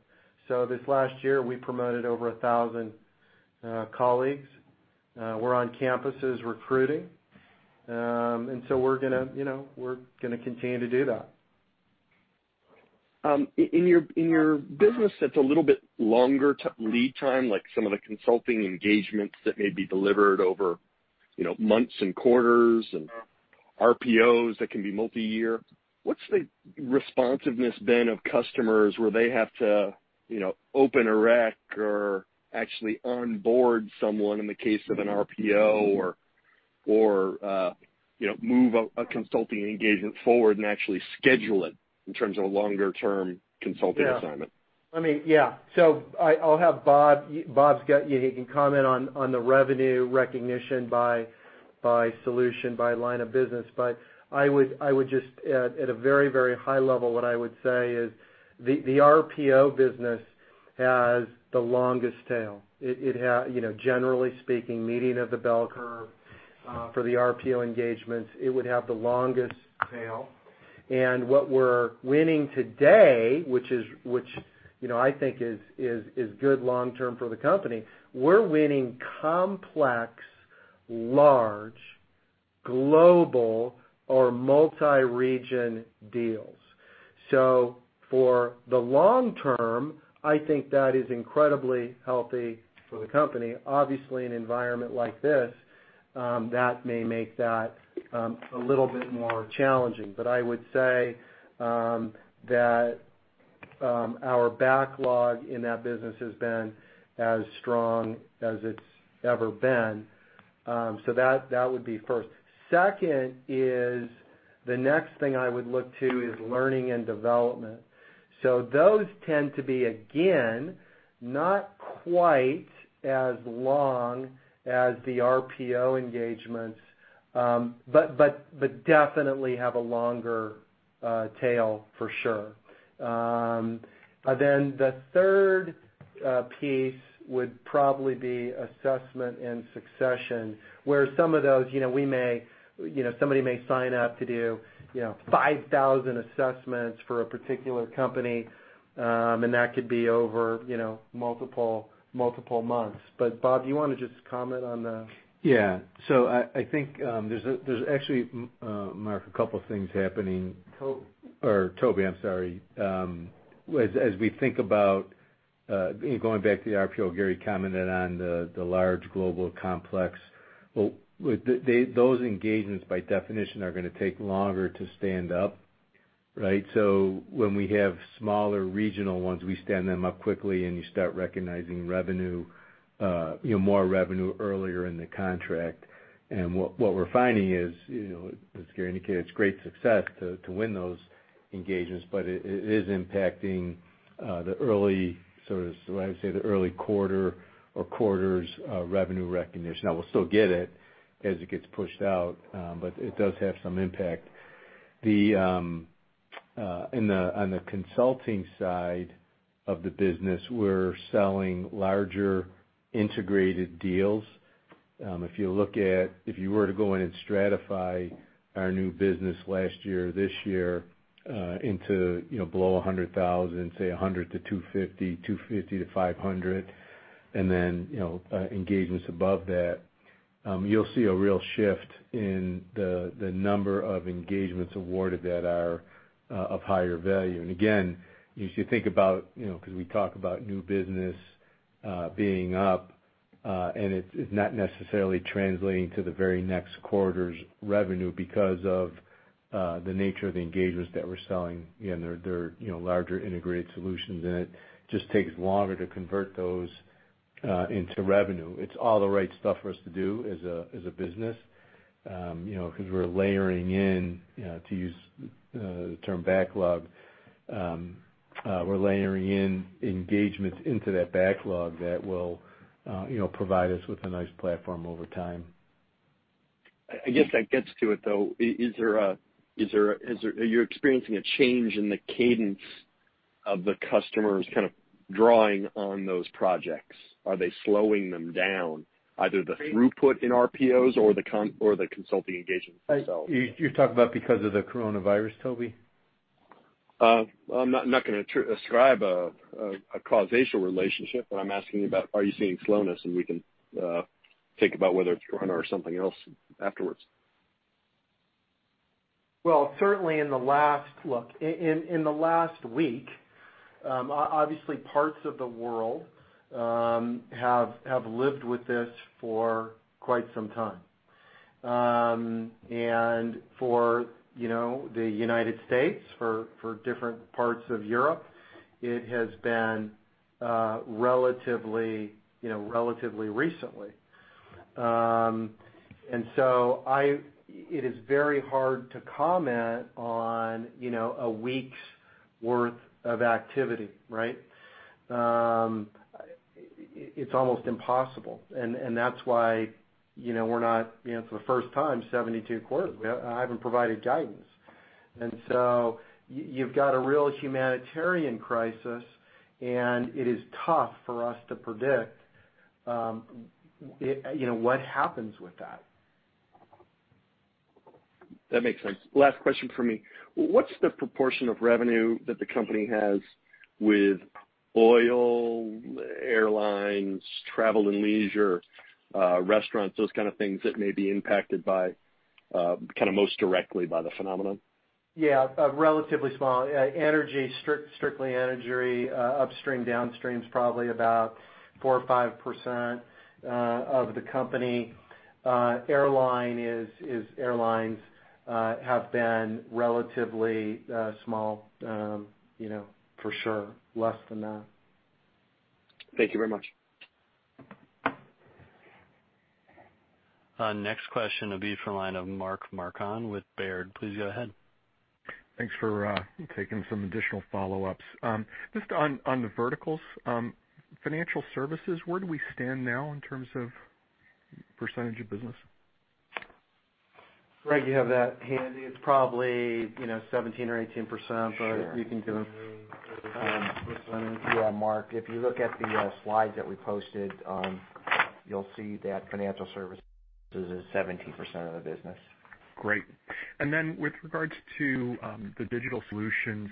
This last year, we promoted over 1,000 colleagues. We're on campuses recruiting. We're going to continue to do that. In your business that's a little bit longer lead time, like some of the consulting engagements that may be delivered over months and quarters and RPOs that can be multi-year, what's the responsiveness been of customers where they have to open a req or actually onboard someone in the case of an RPO or move a consulting engagement forward and actually schedule it in terms of a longer-term consulting assignment? Yeah. I'll have Bob. He can comment on the revenue recognition by solution, by line of business. I would just at a very high level, what I would say is the RPO business has the longest tail. Generally speaking, median of the bell curve for the RPO engagements, it would have the longest tail. What we're winning today, which I think is good long term for the company, we're winning complex, large, global or multi-region deals. For the long term, I think that is incredibly healthy for the company. Obviously, an environment like this, that may make that a little bit more challenging. I would say that our backlog in that business has been as strong as it's ever been. That would be first. Second is the next thing I would look to is learning and development. Those tend to be, again, not quite as long as the RPO engagements, but definitely have a longer tail for sure. The third piece would probably be assessment and succession, where some of those, somebody may sign up to do 5,000 assessments for a particular company, and that could be over multiple months. Bob, you want to just comment on the- Yeah. I think there's actually, Mark, a couple of things happening. Tobey. Tobey, I'm sorry. Going back to the RPO Gary commented on, the large global complex. Those engagements by definition are going to take longer to stand up, right? When we have smaller regional ones, we stand them up quickly and you start recognizing more revenue earlier in the contract. What we're finding is, as Gary indicated, it's great success to win those engagements, but it is impacting the early quarter or quarters revenue recognition. Now we'll still get it as it gets pushed out, but it does have some impact. On the consulting side of the business, we're selling larger integrated deals. If you were to go in and stratify our new business last year or this year into below $100,000, say $100-$250, $250-$500, and then engagements above that, you'll see a real shift in the number of engagements awarded that are of higher value. Again, you should think about, because we talk about new business being up, and it's not necessarily translating to the very next quarter's revenue because of the nature of the engagements that we're selling. They're larger integrated solutions and it just takes longer to convert those into revenue. It's all the right stuff for us to do as a business, because we're layering in, to use the term backlog, we're layering in engagements into that backlog that will provide us with a nice platform over time. I guess that gets to it, though. Are you experiencing a change in the cadence of the customers kind of drawing on those projects? Are they slowing them down, either the throughput in RPOs or the consulting engagements themselves? You're talking about because of the coronavirus, Tobey? I'm not going to ascribe a causational relationship, but I'm asking you about, are you seeing slowness, and we can think about whether it's corona or something else afterwards. Well, certainly in the last week, obviously parts of the world have lived with this for quite some time. For the United States, for different parts of Europe, it has been relatively recently. It is very hard to comment on a week's worth of activity, right? It's almost impossible, and that's why we're not, for the first time in 72 quarters, I haven't provided guidance. You've got a real humanitarian crisis, and it is tough for us to predict what happens with that. That makes sense. Last question from me. What's the proportion of revenue that the company has with oil, airlines, travel and leisure, restaurants, those kind of things that may be impacted most directly by the phenomenon? Yeah. Relatively small. Energy, strictly energy, upstream, downstream's probably about 4% or 5% of the company. Airlines have been relatively small for sure, less than that. Thank you very much. Next question will be from the line of Mark Marcon with Baird. Please go ahead. Thanks for taking some additional follow-ups. Just on the verticals, financial services, where do we stand now in terms of percentage of business? Gregg, you have that handy? It's probably 17% or 18%. Sure. You can give him the specific. Yeah, Marc, if you look at the slides that we posted, you'll see that financial services is 17% of the business. Great. With regards to the digital solutions,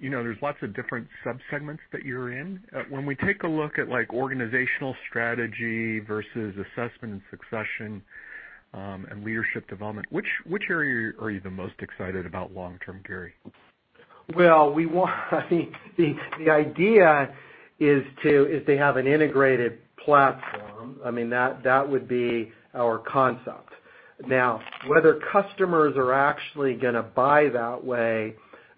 there's lots of different sub-segments that you're in. When we take a look at organizational strategy versus assessment and succession and leadership development, which area are you the most excited about long-term, Gary? Well, the idea is to have an integrated platform. That would be our concept. Whether customers are actually going to buy that way,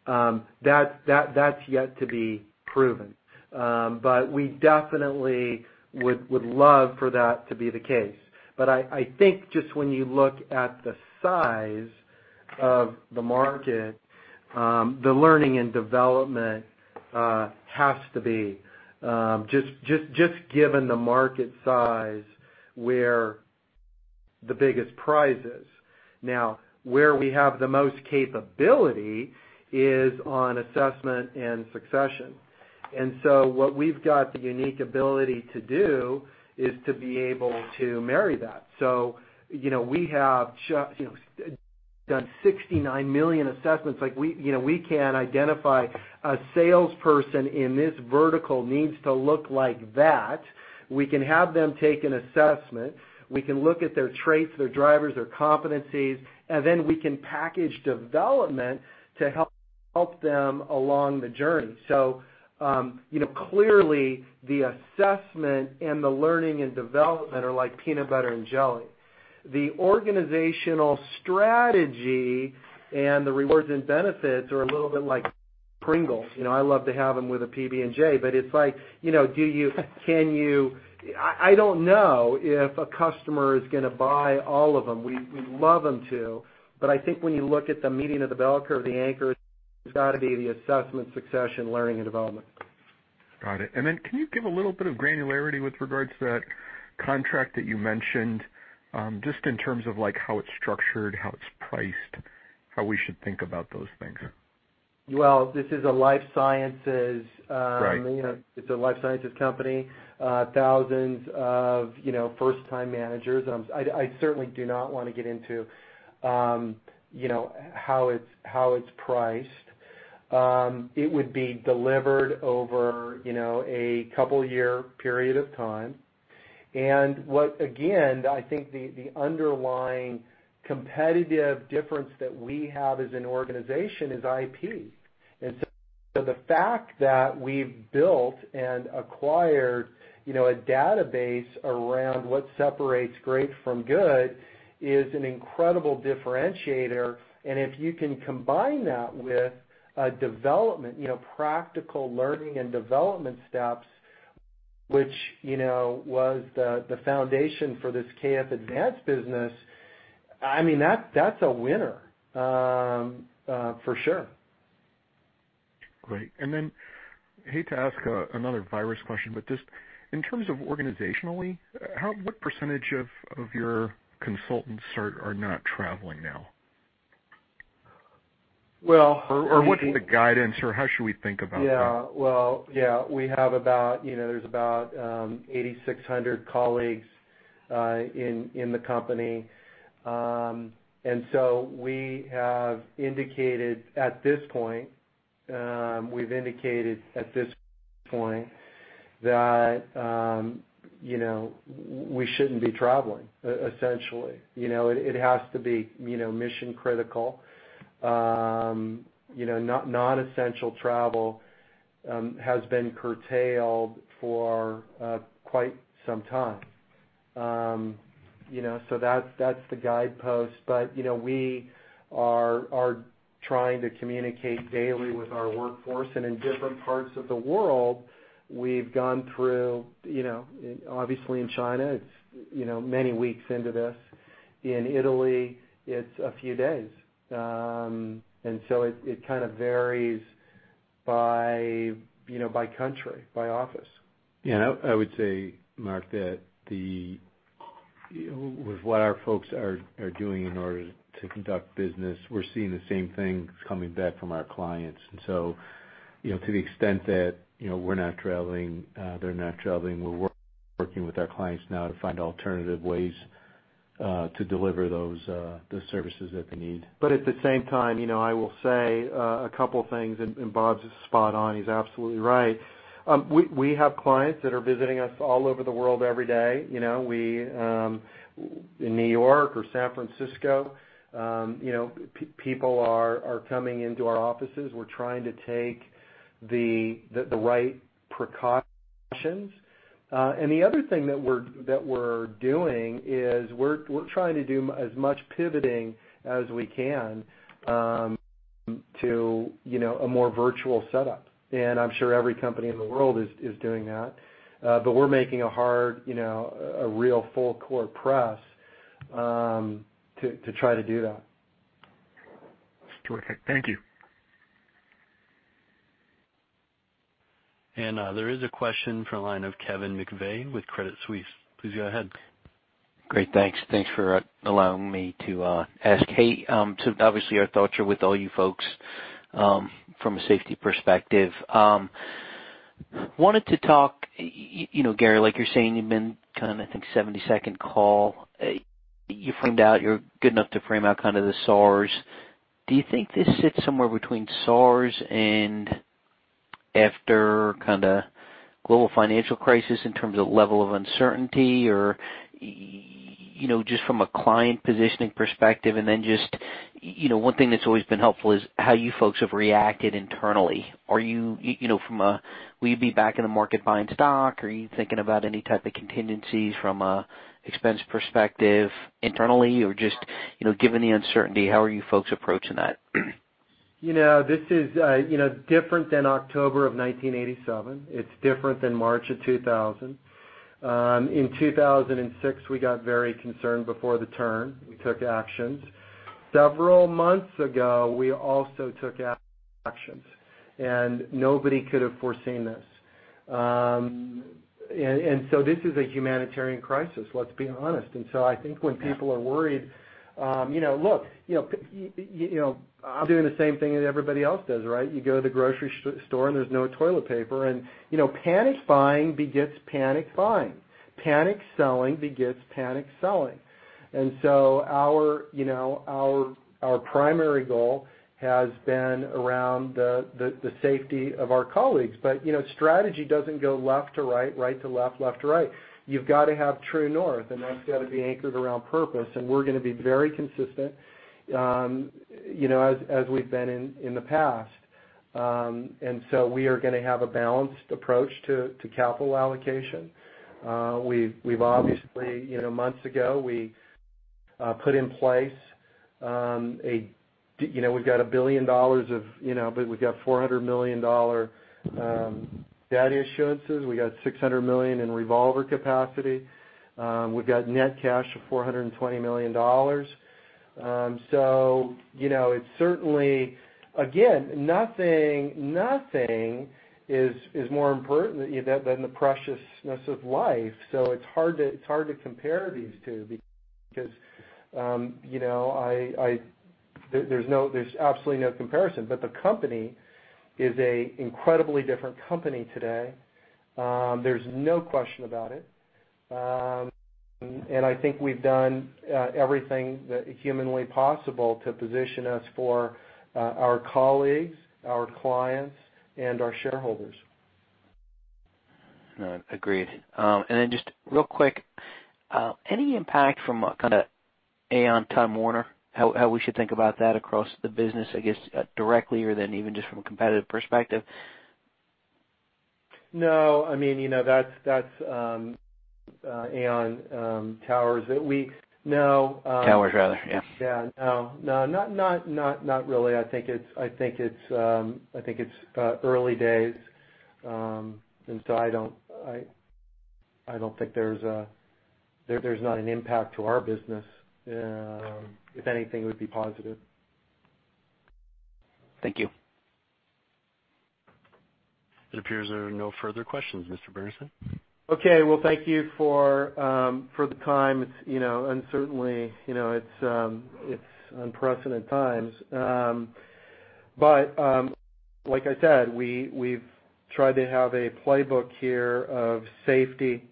that's yet to be proven. We definitely would love for that to be the case. I think just when you look at the size of the market, the learning and development has to be, just given the market size, where the biggest prize is. Where we have the most capability is on assessment and succession. What we've got the unique ability to do is to be able to marry that. We have done 69 million assessments. We can identify a salesperson in this vertical needs to look like that. We can have them take an assessment. We can look at their traits, their drivers, their competencies, we can package development to Help them along the journey. Clearly, the assessment and the learning and development are like peanut butter and jelly. The organizational strategy and the rewards and benefits are a little bit like Pringles. I love to have them with a PB&J, but it's like, I don't know if a customer is going to buy all of them. We'd love them to, but I think when you look at the meat and the bell curve, the anchor has got to be the assessment, succession, learning, and development. Got it. Can you give a little bit of granularity with regards to that contract that you mentioned, just in terms of how it's structured, how it's priced, how we should think about those things? Well, this is a life sciences- Right. It's a life sciences company, thousands of first-time managers. I certainly do not want to get into how it's priced. It would be delivered over a couple of year period of time. What, again, I think the underlying competitive difference that we have as an organization is IP. The fact that we've built and acquired a database around what separates great from good is an incredible differentiator, and if you can combine that with a development, practical learning and development steps, which was the foundation for this KF Advance business, that's a winner for sure. Great. Then I hate to ask another virus question, but just in terms of organizationally, what percentage of your consultants are not traveling now? Well- What is the guidance or how should we think about that? Yeah. Well, yeah, there's about 8,600 colleagues in the company. We have indicated at this point that we shouldn't be traveling, essentially. It has to be mission critical. Non-essential travel has been curtailed for quite some time. That's the guidepost. We are trying to communicate daily with our workforce, and in different parts of the world, we've gone through obviously in China, it's many weeks into this. In Italy, it's a few days. It kind of varies by country, by office. Yeah, I would say, Mark, that with what our folks are doing in order to conduct business, we're seeing the same thing that's coming back from our clients. To the extent that we're not traveling, they're not traveling. We're working with our clients now to find alternative ways to deliver those services that they need. At the same time, I will say a couple things, and Bob's spot on, he's absolutely right. We have clients that are visiting us all over the world every day. In New York or San Francisco, people are coming into our offices. We're trying to take the right precautions. The other thing that we're doing is we're trying to do as much pivoting as we can to a more virtual setup. I'm sure every company in the world is doing that. We're making a hard, a real full-court press to try to do that. That's terrific. Thank you. There is a question from the line of Kevin McVeigh with Credit Suisse. Please go ahead. Great, thanks. Thanks for allowing me to ask. Obviously our thoughts are with all you folks from a safety perspective. Wanted to talk, Gary, you've been 72nd call. You framed out, you're good enough to frame out the SARS. Do you think this sits somewhere between SARS and after global financial crisis in terms of level of uncertainty or just from a client positioning perspective? One thing that's always been helpful is how you folks have reacted internally. Will you be back in the market buying stock? Are you thinking about any type of contingencies from a expense perspective internally? Given the uncertainty, how are you folks approaching that? This is different than October of 1987. It's different than March of 2000. In 2006, we got very concerned before the turn. We took actions. Several months ago, we also took actions, and nobody could have foreseen this. This is a humanitarian crisis, let's be honest. I think when people are worried, look, I'm doing the same thing that everybody else does, right. You go to the grocery store, and there's no toilet paper. Panic buying begets panic buying. Panic selling begets panic selling. Our primary goal has been around the safety of our colleagues. Strategy doesn't go left to right to left to right. You've got to have true north, and that's got to be anchored around purpose, and we're going to be very consistent as we've been in the past. We are going to have a balanced approach to capital allocation. We've obviously, months ago, we put in place, we've got $1 billion but we've got $400 million debt issuances. We got $600 million in revolver capacity. We've got net cash of $420 million. It's certainly, again, nothing is more important than the preciousness of life. It's hard to compare these two because there's absolutely no comparison. The company is an incredibly different company today. There's no question about it. I think we've done everything humanly possible to position us for our colleagues, our clients, and our shareholders. No, agreed. Just real quick, any impact from kind of Aon, Tom Warner, how we should think about that across the business, I guess, directly or even just from a competitive perspective? No, that's Aon Towers that no. Towers, rather, yeah. Yeah. No, not really. I think it's early days. I don't think there's not an impact to our business. If anything, it would be positive. Thank you. It appears there are no further questions, Mr. Burnison. Okay. Well, thank you for the time. It's uncertainty. It's unprecedented times. Like I said, we've tried to have a playbook here of safety,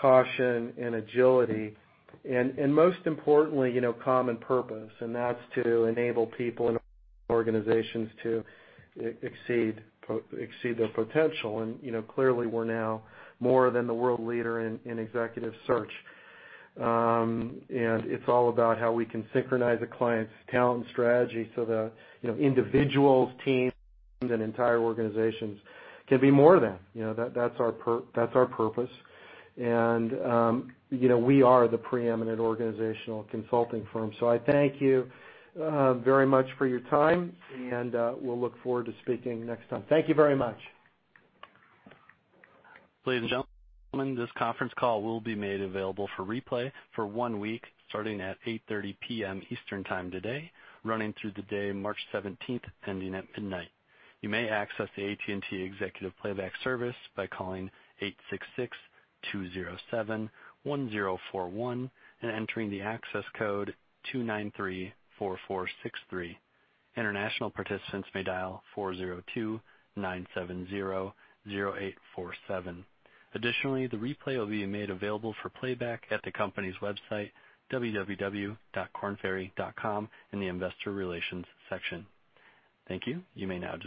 caution, and agility, and most importantly, common purpose, and that's to enable people and organizations to exceed their potential. Clearly, we're now more than the world leader in executive search. It's all about how we can synchronize a client's talent strategy so that individuals, teams, and entire organizations can be more than. That's our purpose. We are the preeminent organizational consulting firm. I thank you very much for your time, and we'll look forward to speaking next time. Thank you very much. Ladies and gentlemen, this conference call will be made available for replay for one week, starting at 8:30 P.M. Eastern Time today, running through the day March 17th, ending at midnight. You may access the AT&T Executive Playback service by calling 866-207-1041 and entering the access code 2934463. International participants may dial 402-970-0847. Additionally, the replay will be made available for playback at the company's website, www.kornferry.com, in the investor relations section. Thank you. You may now disconnect.